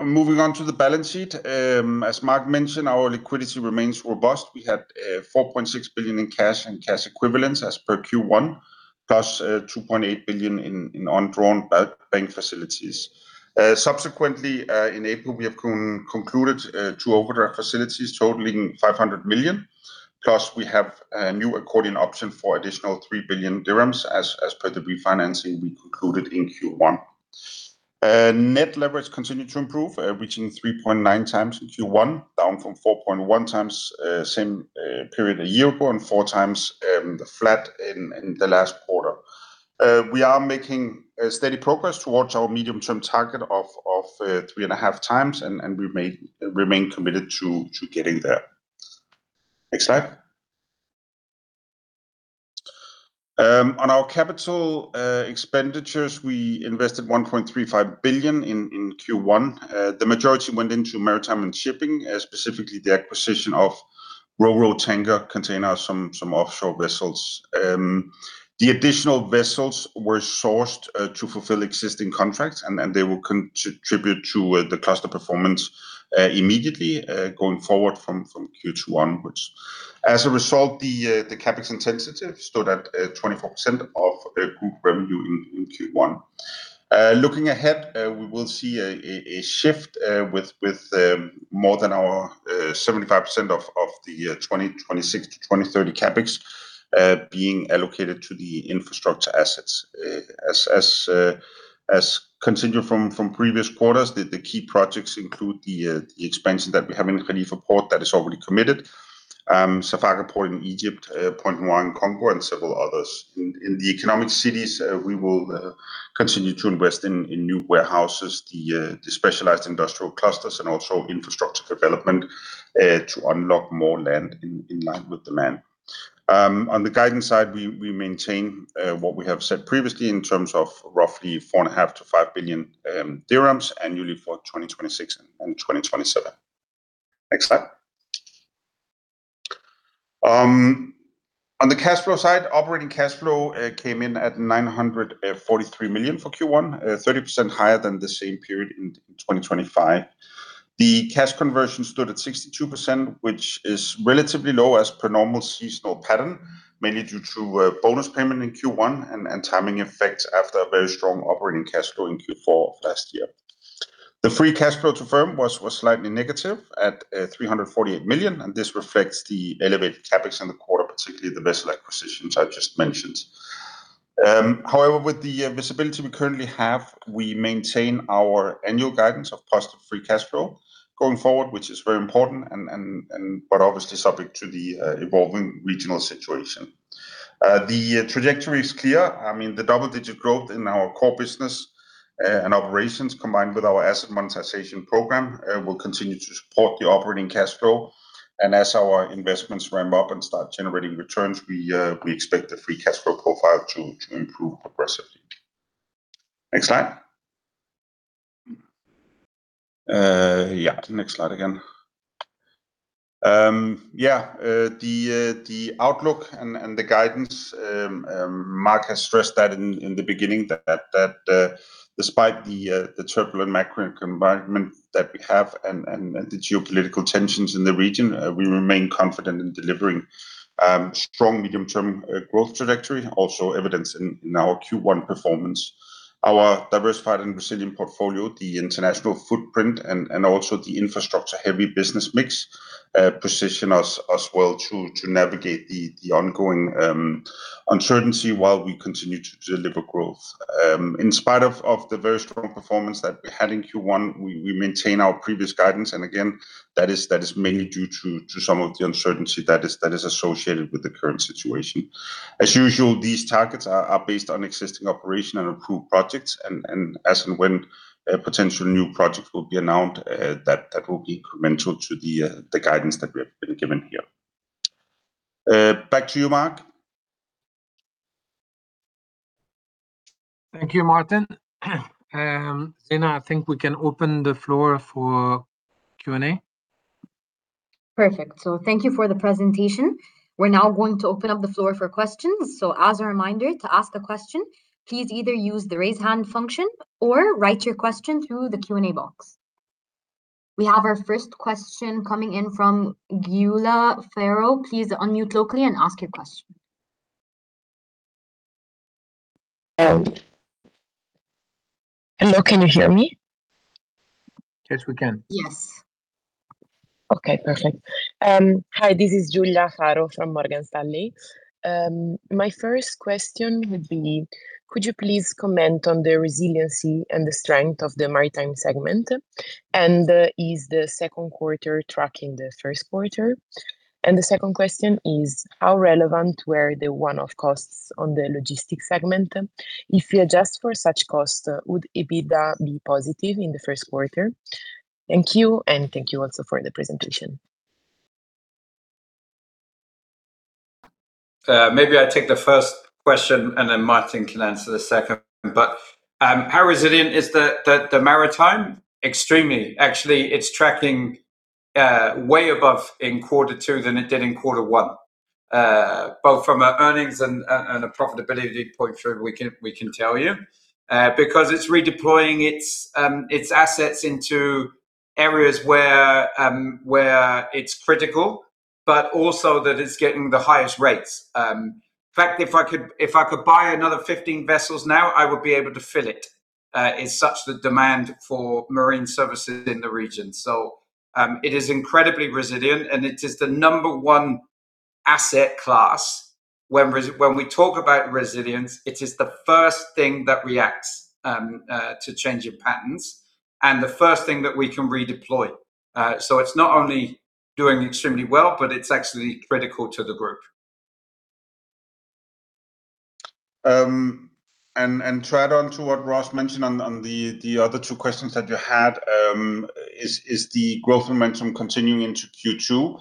Moving on to the balance sheet. As Marc mentioned, our liquidity remains robust. We had 4.6 billion in cash and cash equivalents as per Q1, plus 2.8 billion in undrawn bank facilities. Subsequently, in April, we have concluded two overdraft facilities totaling 500 million, plus we have a new accordion option for additional 3 billion dirhams as per the refinancing we concluded in Q1. Net leverage continued to improve, reaching 3.9 times in Q1, down from 4.1 times, same period a year ago, and 4 times the flat in the last quarter. We are making steady progress towards our medium-term target of 3.5 times, and we remain committed to getting there. Next slide. On our capital expenditures, we invested 1.35 billion in Q1. The majority went into Maritime and Shipping, specifically the acquisition of ro-ro tanker container, some offshore vessels. The additional vessels were sourced to fulfill existing contracts, and they will contribute to the cluster performance immediately going forward from Q2 on, which as a result, the CapEx intensity stood at 24% of group revenue in Q1. Looking ahead, we will see a shift with more than our 75% of the 2026 to 2030 CapEx being allocated to the infrastructure assets. As continued from previous quarters, the key projects include the expansion that we have in Khalifa Port that is already committed, Safaga Port in Egypt, Port of Pointe-Noire in Congo, and several others. In the economic cities, we will continue to invest in new warehouses, the specialized industrial clusters and also infrastructure development to unlock more land in line with demand. On the guidance side, we maintain what we have said previously in terms of roughly 4.5 billion-5 billion dirhams annually for 2026 and 2027. Next slide. On the cash flow side, operating cash flow came in at 943 million for Q1, 30% higher than the same period in 2025. The cash conversion stood at 62%, which is relatively low as per normal seasonal pattern, mainly due to bonus payment in Q1 and timing effects after a very strong operating cash flow in Q4 of last year. The free cash flow to firm was slightly negative at 348 million. This reflects the elevated CapEx in the quarter, particularly the vessel acquisitions I just mentioned. However, with the visibility we currently have, we maintain our annual guidance of positive free cash flow going forward, which is very important and, but obviously subject to the evolving regional situation. The trajectory is clear. I mean, the double-digit growth in our core business and operations, combined with our asset monetization program, will continue to support the operating cash flow. As our investments ramp up and start generating returns, we expect the free cash flow profile to improve progressively. Next slide. Yeah, the next slide again. The outlook and the guidance, Marc has stressed that in the beginning that despite the turbulent macro environment that we have and the geopolitical tensions in the region, we remain confident in delivering strong medium-term growth trajectory, also evidenced in our Q1 performance. Our diversified and resilient portfolio, the international footprint and also the infrastructure-heavy business mix, position us well to navigate the ongoing uncertainty while we continue to deliver growth. In spite of the very strong performance that we had in Q1, we maintain our previous guidance. Again, that is mainly due to some of the uncertainty that is associated with the current situation. As usual, these targets are based on existing operation and approved projects and as and when potential new projects will be announced, that will be incremental to the guidance that we have been given here. Back to you, Marc. Thank you, Martin. Zeina, I think we can open the floor for Q&A. Perfect. Thank you for the presentation. We're now going to open up the floor for questions. As a reminder, to ask a question please either use the raise hand function or write your question through the Q&A box. We have our first question coming in from Giulia Faro. Please unmute locally and ask your question. Hello, can you hear me? Yes, we can. Yes. Okay, perfect. Hi, this is Giulia Faro from Morgan Stanley. My first question would be could you please comment on the resiliency and the strength of the maritime segment? Is the second quarter tracking the first quarter? The second question is how relevant were the one-off costs on the Logistics segment? If you adjust for such costs, would EBITDA be positive in the first quarter? Thank you, and thank you also for the presentation. Maybe I take the first question, and then Martin can answer the second. How resilient is the Maritime? Extremely. Actually, it's tracking way above in Q2 than it did in Q1, both from an earnings and a profitability point of view we can tell you. Because it's redeploying its assets into areas where it's critical, but also that it's getting the highest rates. In fact, if I could buy another 15 vessels now, I would be able to fill it, is such the demand for marine services in the region. It is incredibly resilient, and it is the number one asset class when we talk about resilience, it is the first thing that reacts to change in patterns and the first thing that we can redeploy. It's not only doing extremely well, but it's actually critical to the group. To add on to what Ross mentioned on the other two questions that you had, is the growth momentum continuing into Q2?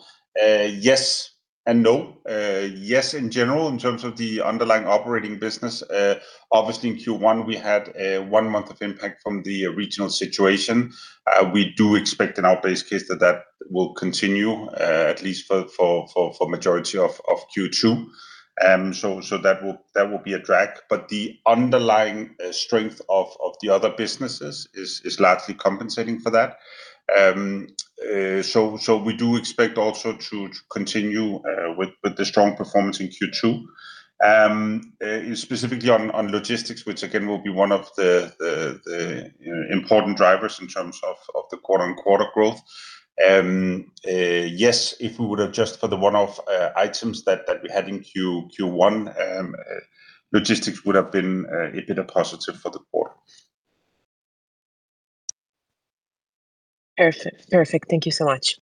Yes and no. Yes, in general, in terms of the underlying operating business. Obviously in Q1 we had a one month of impact from the regional situation. We do expect in our base case that that will continue, at least for majority of Q2. That will be a drag. The underlying strength of the other businesses is largely compensating for that. We do expect also to continue with the strong performance in Q2. Specifically on Logistics which again will be one of the, you know, important drivers in terms of the quarter-on-quarter growth. Yes, if we would adjust for the one-off items that we had in Q1, Logistics would have been it'd been a positive for the quarter. Perfect. Thank you so much.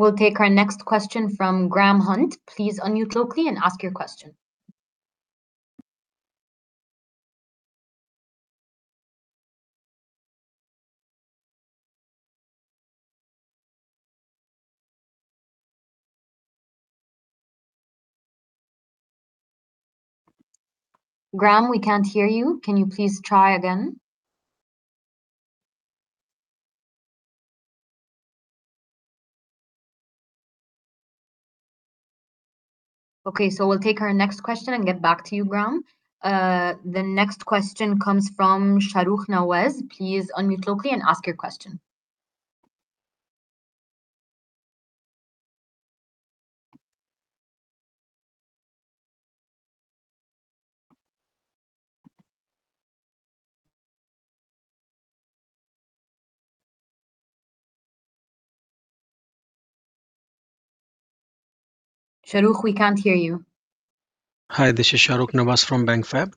We'll take our next question from Graham Hunt. Please unmute locally and ask your question. Graham, we can't hear you. Can you please try again? Okay, we'll take our next question and get back to you, Graham. The next question comes from Shahrukh Nawaz. Please unmute locally and ask your question. Shahrukh, we can't hear you. Hi, this is Shahrukh Nawaz from Bank FAB.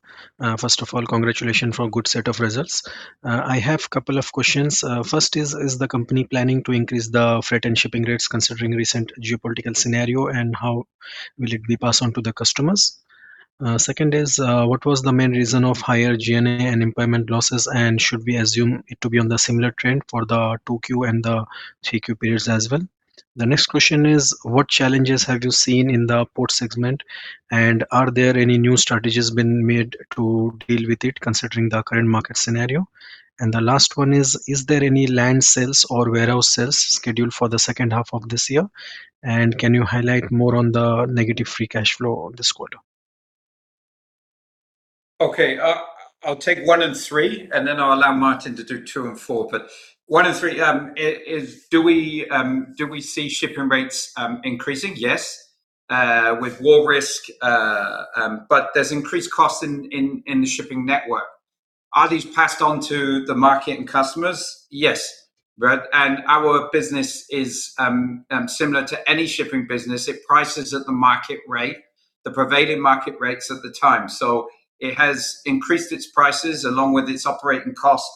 First of all, congratulations for good set of results. I have couple of questions. First is the company planning to increase the freight and shipping rates considering recent geopolitical scenario, and how will it be passed on to the customers? Second is, what was the main reason of higher G&A and impairment losses, and should we assume it to be on the similar trend for the 2Q and the 3Q periods as well? The next question is what challenges have you seen in the port segment, and are there any new strategies been made to deal with it considering the current market scenario? The last one is there any land sales or warehouse sales scheduled for the second half of this year? Can you highlight more on the negative free cash flow of this quarter? Okay. I'll take one and three, and then I'll allow Martin to do two and four. One and three, do we see shipping rates increasing? Yes, with war risk, but there's increased costs in the shipping network. Are these passed on to the market and customers? Yes, right. Our business is similar to any shipping business. It prices at the market rate, the prevailing market rates at the time. It has increased its prices along with its operating cost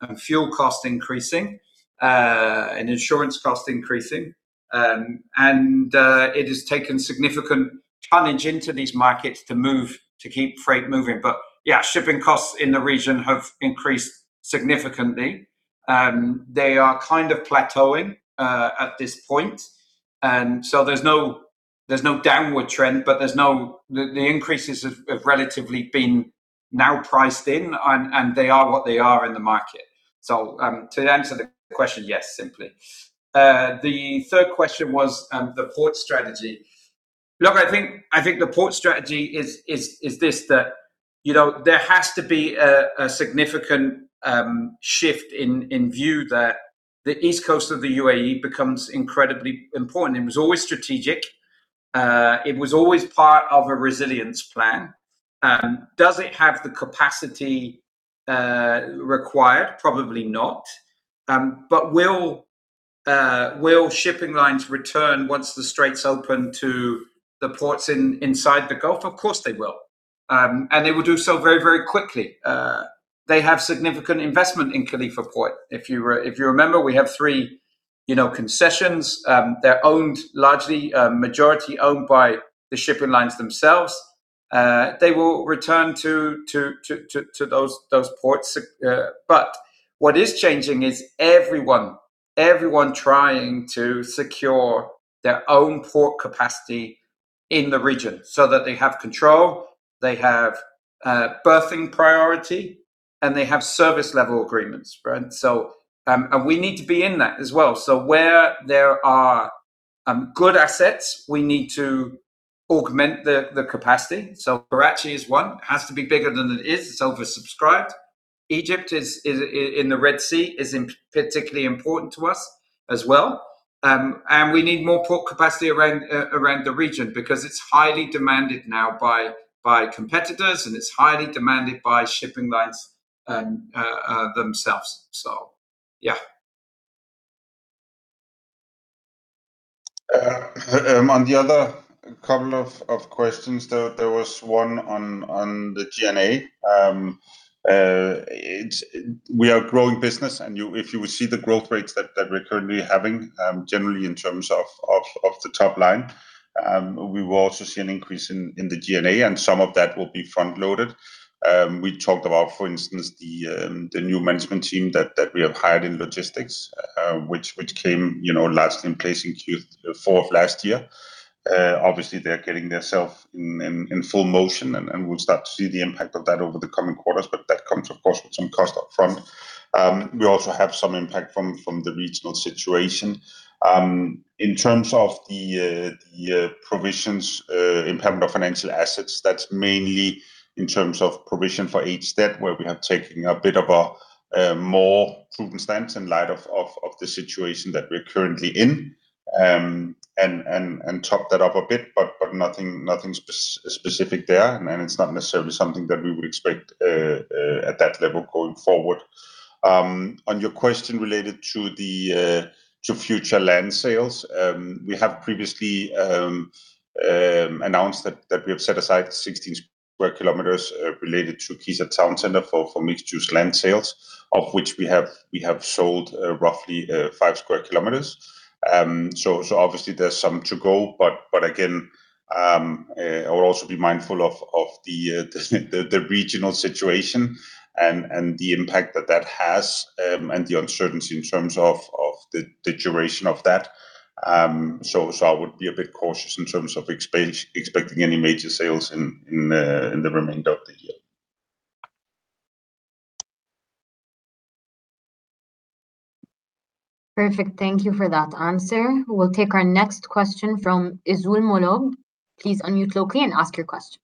and fuel cost increasing and insurance cost increasing. It has taken significant tonnage into these markets to move to keep freight moving. Yeah, shipping costs in the region have increased significantly. They are kind of plateauing at this point. There's no downward trend, but there's no, the increases have relatively been now priced in and they are what they are in the market. To answer the question, yes, simply. The third question was, the port strategy. Look, I think the port strategy is this that, you know, there has to be a significant shift in view that the east coast of the UAE becomes incredibly important. It was always strategic. It was always part of a resilience plan. Does it have the capacity required? Probably not. Will shipping lines return once the Straits open to the ports inside the Gulf? Of course, they will. They will do so very, very quickly. They have significant investment in Khalifa Port. If you remember, we have three, you know, concessions. They're owned largely, majority owned by the shipping lines themselves. They will return to those ports. What is changing is everyone trying to secure their own port capacity in the region so that they have control, they have berthing priority, and they have service level agreements, right? We need to be in that as well. Where there are good assets, we need to augment the capacity. Karachi is one. It has to be bigger than it is. It's oversubscribed. Egypt is in the Red Sea is particularly important to us as well. We need more port capacity around the region because it's highly demanded now by competitors, and it's highly demanded by shipping lines themselves. Yeah. On the other couple of questions, there was one on the G&A. We are growing business, and if you would see the growth rates that we're currently having, generally in terms of the top line, we will also see an increase in the G&A, and some of that will be front-loaded. We talked about, for instance, the new management team that we have hired in Logistics, which came, you know, last in place in Q4 of last year. Obviously, they're getting themselves in full motion and we'll start to see the impact of that over the coming quarters, but that comes, of course, with some cost up front. We also have some impact from the regional situation. In terms of the provisions, impairment of financial assets, that's mainly in terms of provision for each step where we have taken a bit of a more prudent stance in light of the situation that we're currently in, and top that up a bit, but nothing specific there, and it's not necessarily something that we would expect at that level going forward. On your question related to future land sales, we have previously announced that we have set aside 16 sq km related to KEZAD town center for mixed-use land sales, of which we have sold 5 sq km. Obviously there's some to go, but again, I'll also be mindful of the regional situation and the impact that that has and the uncertainty in terms of the duration of that. I would be a bit cautious in terms of expecting any major sales in the remainder of the year. Perfect. Thank you for that answer. We will take our next question from Izzul Molob. Please unmute locally and ask your question.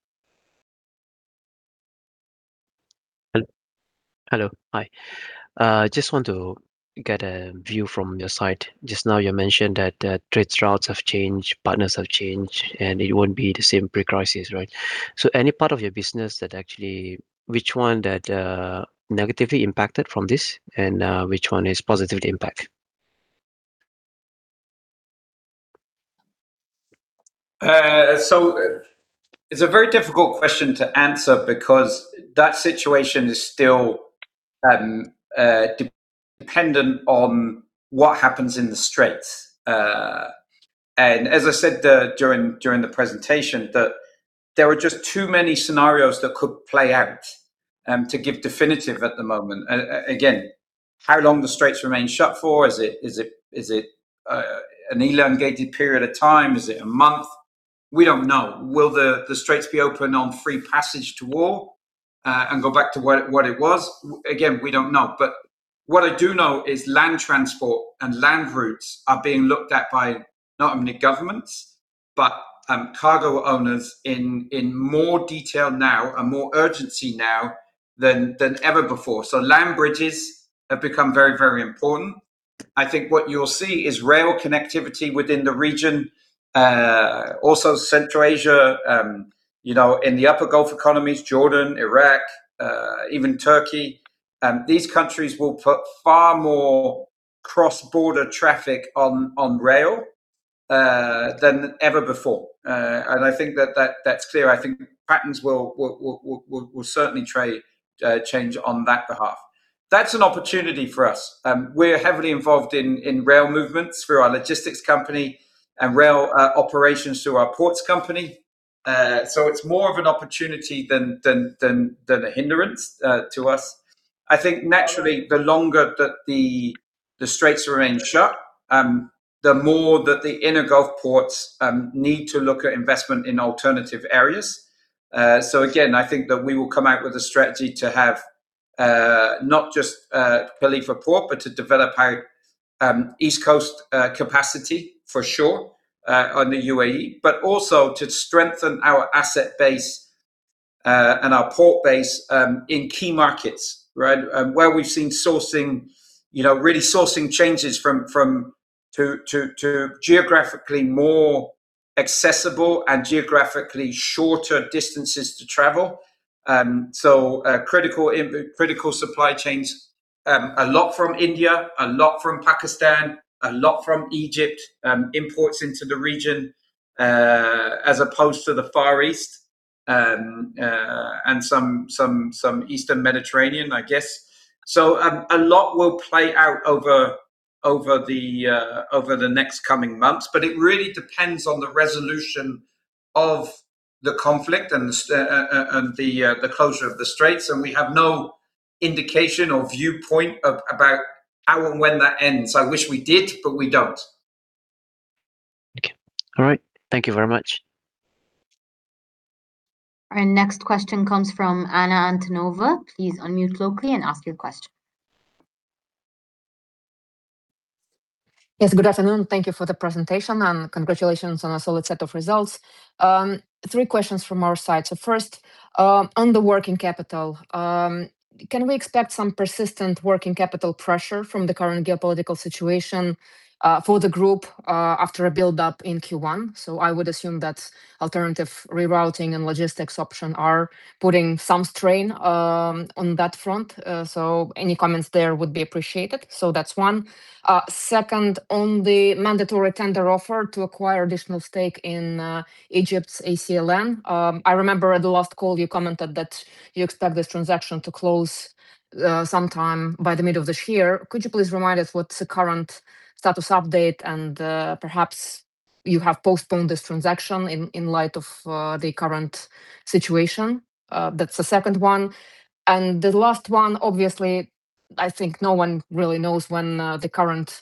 Hello. Hello. Hi. Just want to get a view from your side. Just now you mentioned that trade routes have changed, partners have changed, and it won't be the same pre-crisis, right? Any part of your business that which one that negatively impacted from this, and which one is positively impact? It's a very difficult question to answer because that situation is still dependent on what happens in the Straits. As I said during the presentation, there are just too many scenarios that could play out to give definitive at the moment. Again, how long the Straits remain shut for? Is it an elongated period of time? Is it a month? We don't know. Will the Straits be open on free passage to all and go back to what it was? Again, we don't know. What I do know is land transport and land routes are being looked at by not only governments, but cargo owners in more detail now and more urgency now than ever before. Land bridges have become very, very important. I think what you'll see is rail connectivity within the region, also Central Asia, you know, in the upper Gulf economies, Jordan, Iraq, even Turkey. These countries will put far more cross-border traffic on rail than ever before. I think that's clear. I think patterns will certainly trade change on that behalf. That's an opportunity for us. We're heavily involved in rail movements through our logistics company and rail operations through our ports company. It's more of an opportunity than a hindrance to us. I think naturally, the longer that the Straits remain shut, the more that the inner Gulf ports need to look at investment in alternative areas. Again, I think that we will come out with a strategy to have not just Khalifa Port, but to develop our East Coast capacity for sure on the UAE, but also to strengthen our asset base and our port base in key markets, right? Where we've seen sourcing, you know, really sourcing changes from to geographically more accessible and geographically shorter distances to travel. Critical supply chains, a lot from India, a lot from Pakistan, a lot from Egypt, imports into the region, as opposed to the Far East, and some Eastern Mediterranean, I guess. A lot will play out over the next coming months, but it really depends on the resolution of the conflict and the closure of the Straits, and we have no indication or viewpoint about how and when that ends. I wish we did, but we don't. Okay. All right. Thank you very much. Our next question comes from Anna Antonova. Please unmute locally and ask your question. Yes, good afternoon. Thank you for the presentation, and congratulations on a solid set of results. Three questions from our side. First, on the working capital, can we expect some persistent working capital pressure from the current geopolitical situation for the group after a build-up in Q1? I would assume that alternative rerouting and logistics option are putting some strain on that front. Any comments there would be appreciated. That's one. Second, on the mandatory tender offer to acquire additional stake in Egypt's ALCN, I remember at the last call you commented that you expect this transaction to close sometime by the middle of this year. Could you please remind us what's the current status update, and perhaps you have postponed this transaction in light of the current situation? That's the second one. The last one, obviously, I think no one really knows when the current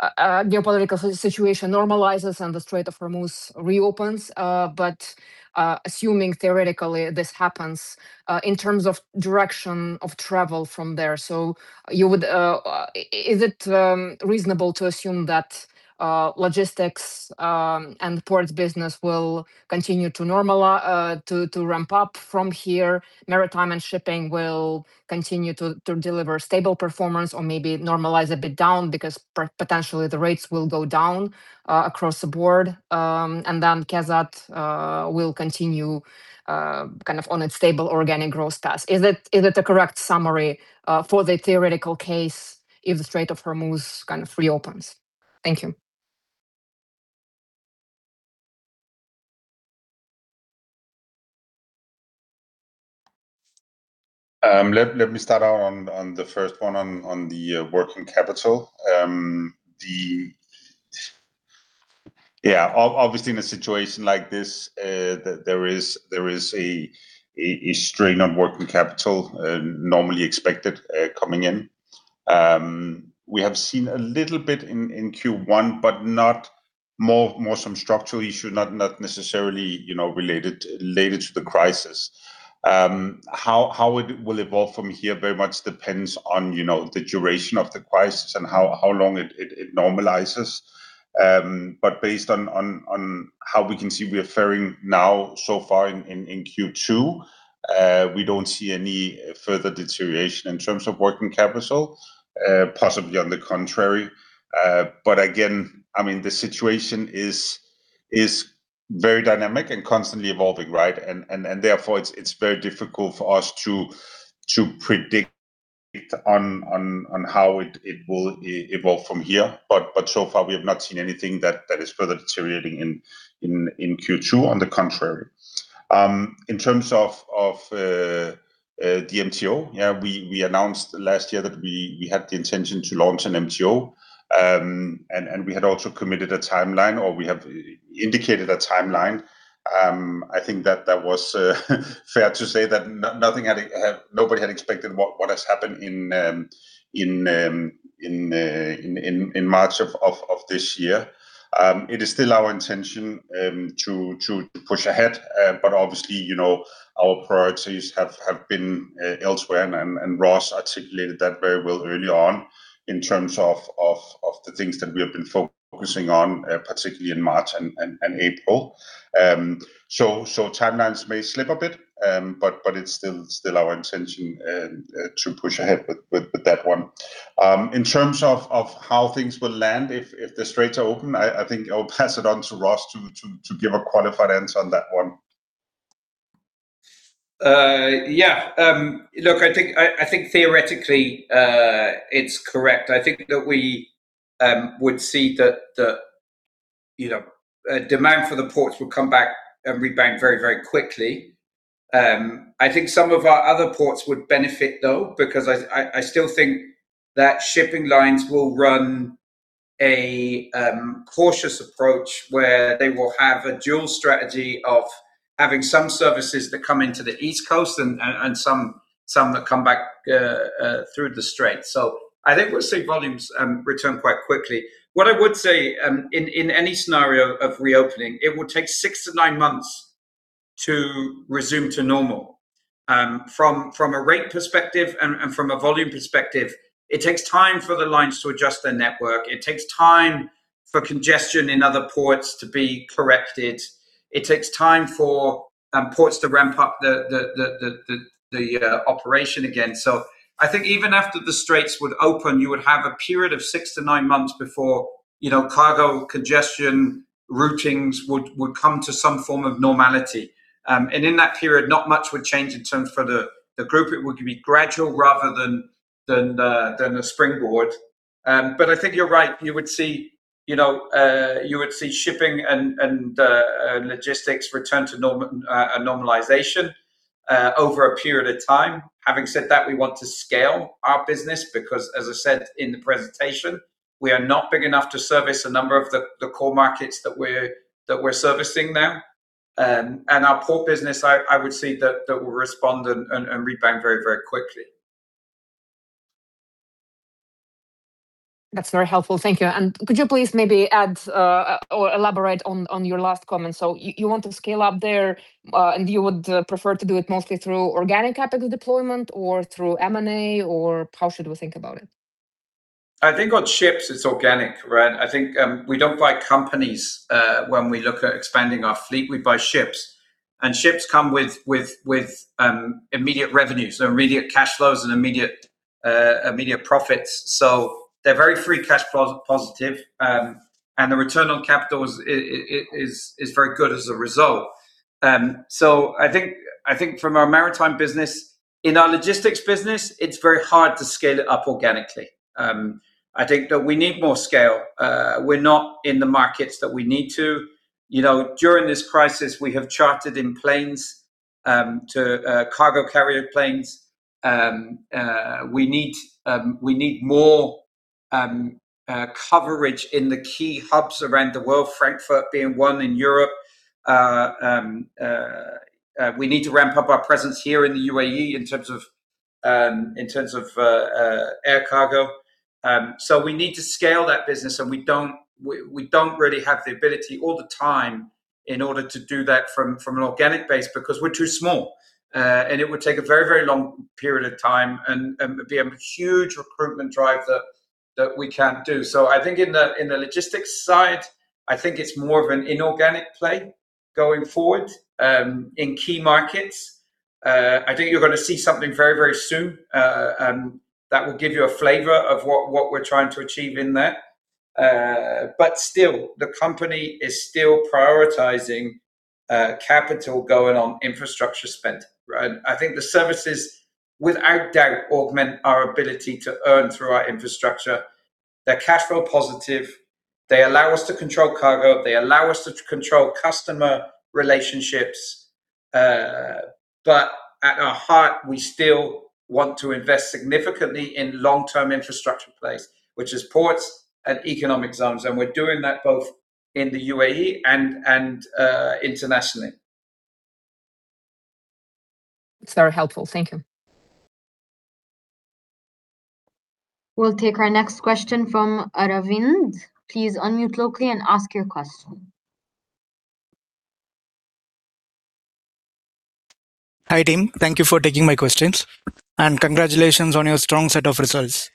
geopolitical situation normalizes and the Strait of Hormuz reopens. But assuming theoretically this happens, in terms of direction of travel from there, so you would Is it reasonable to assume that logistics and ports business will continue to ramp up from here, Maritime and Shipping will continue to deliver stable performance or maybe normalize a bit down because potentially the rates will go down across the board, and then KEZAD will continue kind of on its stable organic growth path? Is it, is it a correct summary for the theoretical case if the Strait of Hormuz kind of reopens? Thank you. Let me start out on the first one on the working capital. Obviously in a situation like this, there is a strain on working capital normally expected coming in. We have seen a little bit in Q1, but not more some structural issue, not necessarily, you know, related to the crisis. How it will evolve from here very much depends on, you know, the duration of the crisis and how long it normalizes. Based on how we can see we are faring now so far in Q2, we don't see any further deterioration in terms of working capital, possibly on the contrary. Again, I mean, the situation is very dynamic and constantly evolving, right? Therefore it's very difficult for us to predict on how it will evolve from here. So far we have not seen anything that is further deteriorating in Q2, on the contrary. In terms of the MTO, yeah, we announced last year that we had the intention to launch an MTO. We had also committed a timeline, or we have indicated a timeline. I think that that was fair to say that nothing had, nobody had expected what has happened in March of this year. It is still our intention to push ahead. Obviously, you know, our priorities have been elsewhere, and Ross articulated that very well early on in terms of the things that we have been focusing on, particularly in March and April. Timelines may slip a bit, but it's still our intention to push ahead with that one. In terms of how things will land if the Straits are open, I think I'll pass it on to Ross to give a qualified answer on that one. Yeah. Look, I think theoretically, it's correct. I think that we would see that the, you know, demand for the ports would come back and rebound very quickly. I think some of our other ports would benefit though because I still think that shipping lines will run a cautious approach where they will have a dual strategy of having some services that come into the East Coast and some that come back through the Strait. I think we'll see volumes return quite quickly. What I would say, in any scenario of reopening, it would take six to nine months to resume to normal. From a rate perspective and from a volume perspective, it takes time for the lines to adjust their network. It takes time for congestion in other ports to be corrected. It takes time for ports to ramp up the operation again. I think even after the Straits would open, you would have a period of six to nine months before, you know, cargo congestion routings would come to some form of normality. In that period, not much would change in terms for the group. It would be gradual rather than the springboard. I think you're right. You would see, you know, shipping and logistics return to a normalization over a period of time. Having said that, we want to scale our business because, as I said in the presentation, we are not big enough to service a number of the core markets that we're servicing now. Our Port business, I would see that will respond and rebound very quickly. That's very helpful, thank you. Could you please maybe add or elaborate on your last comment? You want to scale up there, and you would prefer to do it mostly through organic capital deployment or through M&A, or how should we think about it? On ships it's organic. We don't buy companies when we look at expanding our fleet. We buy ships, and ships come with immediate revenue, so immediate cash flows and immediate profits. They're very free cash positive. The return on capital is very good as a result. From our Maritime business, in our Logistics business, it's very hard to scale it up organically. We need more scale. We're not in the markets that we need to. You know, during this crisis, we have chartered in planes to cargo carrier planes. We need more coverage in the key hubs around the world, Frankfurt being one in Europe. We need to ramp up our presence here in the UAE in terms of in terms of air cargo. We need to scale that business, and we don't really have the ability all the time in order to do that from an organic base because we're too small. It would take a very, very long period of time and be a huge recruitment drive that we can't do. I think in the logistics side, I think it's more of an inorganic play going forward in key markets. I think you're gonna see something very, very soon that will give you a flavor of what we're trying to achieve in that. Still, the company is still prioritizing capital going on infrastructure spend, right? I think the services without doubt augment our ability to earn through our infrastructure. They're cash flow positive. They allow us to control cargo. They allow us to control customer relationships. At our heart, we still want to invest significantly in long-term infrastructure plays, which is ports and economic zones, and we're doing that both in the UAE and internationally. It's very helpful. Thank you. We'll take our next question from Aravind. Please unmute locally and ask your question. Hi, team. Thank you for taking my questions, and congratulations on your strong set of results.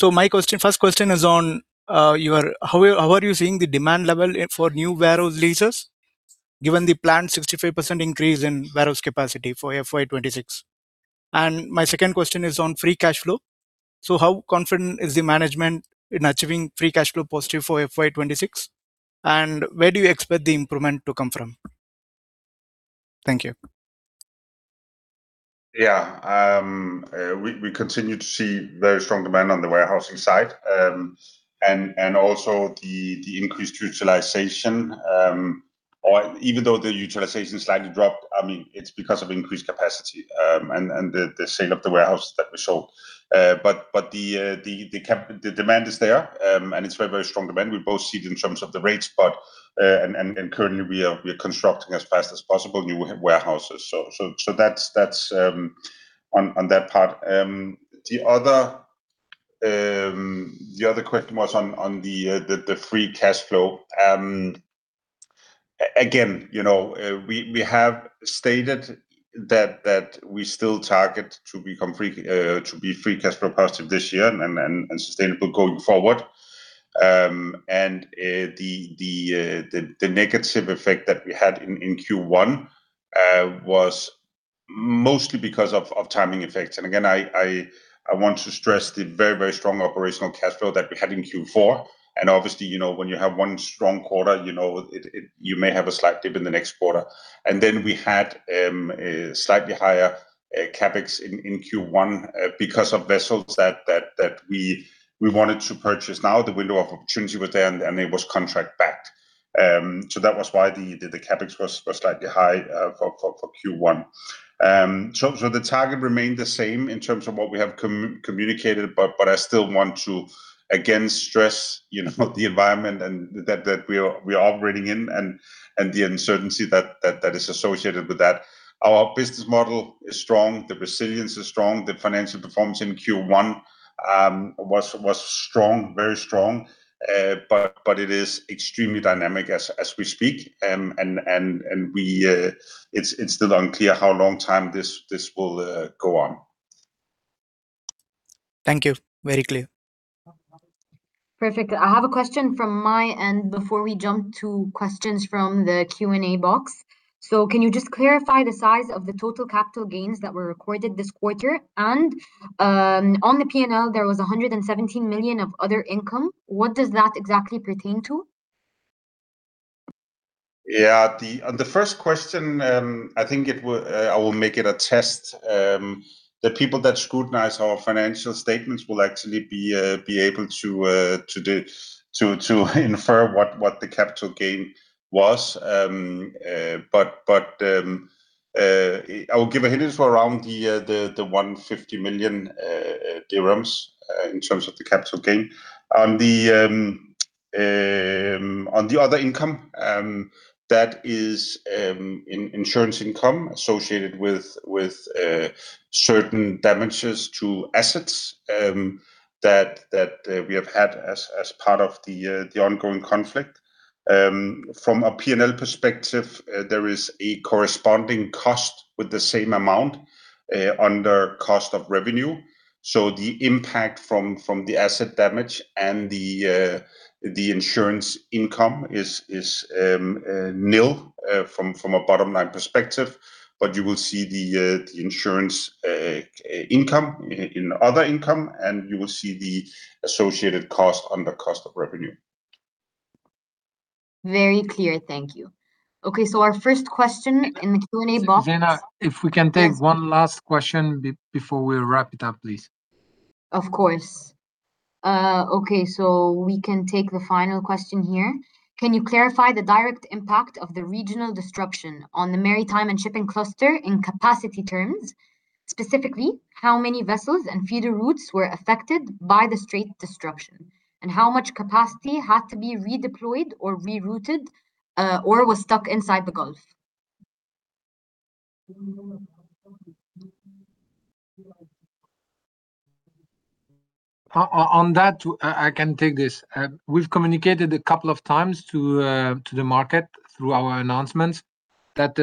My first question is on how are you seeing the demand level for new warehouse leases given the planned 65% increase in warehouse capacity for FY 2026? My second question is on free cash flow. How confident is the management in achieving free cash flow positive for FY 2026, and where do you expect the improvement to come from? Thank you. We continue to see very strong demand on the warehousing side. Also the increased utilization, or even though the utilization slightly dropped, I mean, it's because of increased capacity and the sale of the warehouse that we sold. But the demand is there, and it's very strong demand. We both see it in terms of the rates, and currently we are constructing as fast as possible new warehouses. That's on that part. The other, the other question was on the free cash flow. Again, you know, we have stated that we still target to become free, to be free cash flow positive this year and sustainable going forward. The negative effect that we had in Q1 was mostly because of timing effects. Again, I want to stress the very strong operational cash flow that we had in Q4. Obviously, you know, when you have one strong quarter, you know, you may have a slight dip in the next quarter. Then we had a slightly higher CapEx in Q1 because of vessels that we wanted to purchase. The window of opportunity was there and it was contract backed. That was why the CapEx was slightly high for Q1. The target remained the same in terms of what we have communicated, but I still want to again stress, you know, the environment that we are operating in and the uncertainty that is associated with that. Our business model is strong. The resilience is strong. The financial performance in Q1 was strong, very strong. It is extremely dynamic as we speak. We, it's still unclear how long time this will go on. Thank you. Very clear. Perfect. I have a question from my end before we jump to questions from the Q&A box. Can you just clarify the size of the total capital gains that were recorded this quarter? On the P&L, there was 117 million of other income. What does that exactly pertain to? Yeah. The, on the first question, I think I will make it a test. The people that scrutinize our financial statements will actually be able to infer what the capital gain was. I will give a hint. It's around the 150 million dirhams in terms of the capital gain. On the other income, that is insurance income associated with certain damages to assets that we have had as part of the ongoing conflict. From a P&L perspective, there is a corresponding cost with the same amount under cost of revenue. The impact from the asset damage and the insurance income is nil from a bottom line perspective. You will see the insurance income in other income, and you will see the associated cost under cost of revenue. Very clear. Thank you. Okay, our first question in the Q&A box. Zeina, if we can take one last question before we wrap it up, please. Of course. Okay, we can take the final question here. Can you clarify the direct impact of the regional disruption on the Maritime and Shipping Cluster in capacity terms? Specifically, how many vessels and feeder routes were affected by the Strait disruption? How much capacity had to be redeployed or rerouted, or was stuck inside the Gulf? On that, I can take this. We've communicated a couple of times to the market through our announcements that,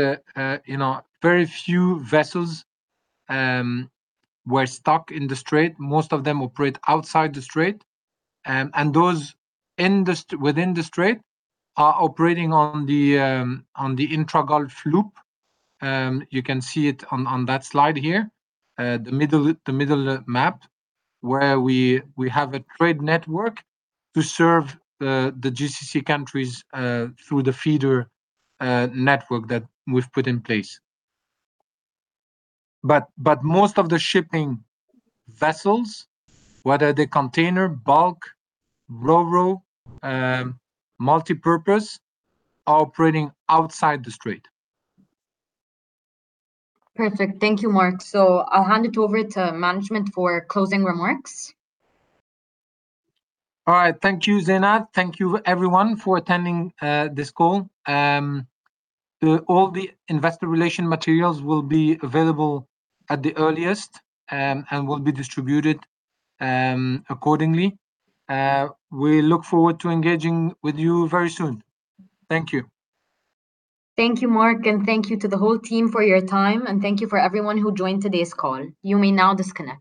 you know, very few vessels were stuck in the Strait. Most of them operate outside the Strait. Those within the Strait are operating on the intra-Gulf loop. You can see it on that slide here, the middle map, where we have a trade network to serve the GCC countries through the feeder network that we've put in place. Most of the shipping vessels, whether they're container, bulk, ro-ro, multipurpose, are operating outside the Strait. Perfect. Thank you, Marc. I'll hand it over to management for closing remarks. All right. Thank you, Zeina. Thank you everyone for attending this call. All the investor relation materials will be available at the earliest and will be distributed accordingly. We look forward to engaging with you very soon. Thank you. Thank you, Marc and thank you to the whole team for your time, and thank you for everyone who joined today's call. You may now disconnect.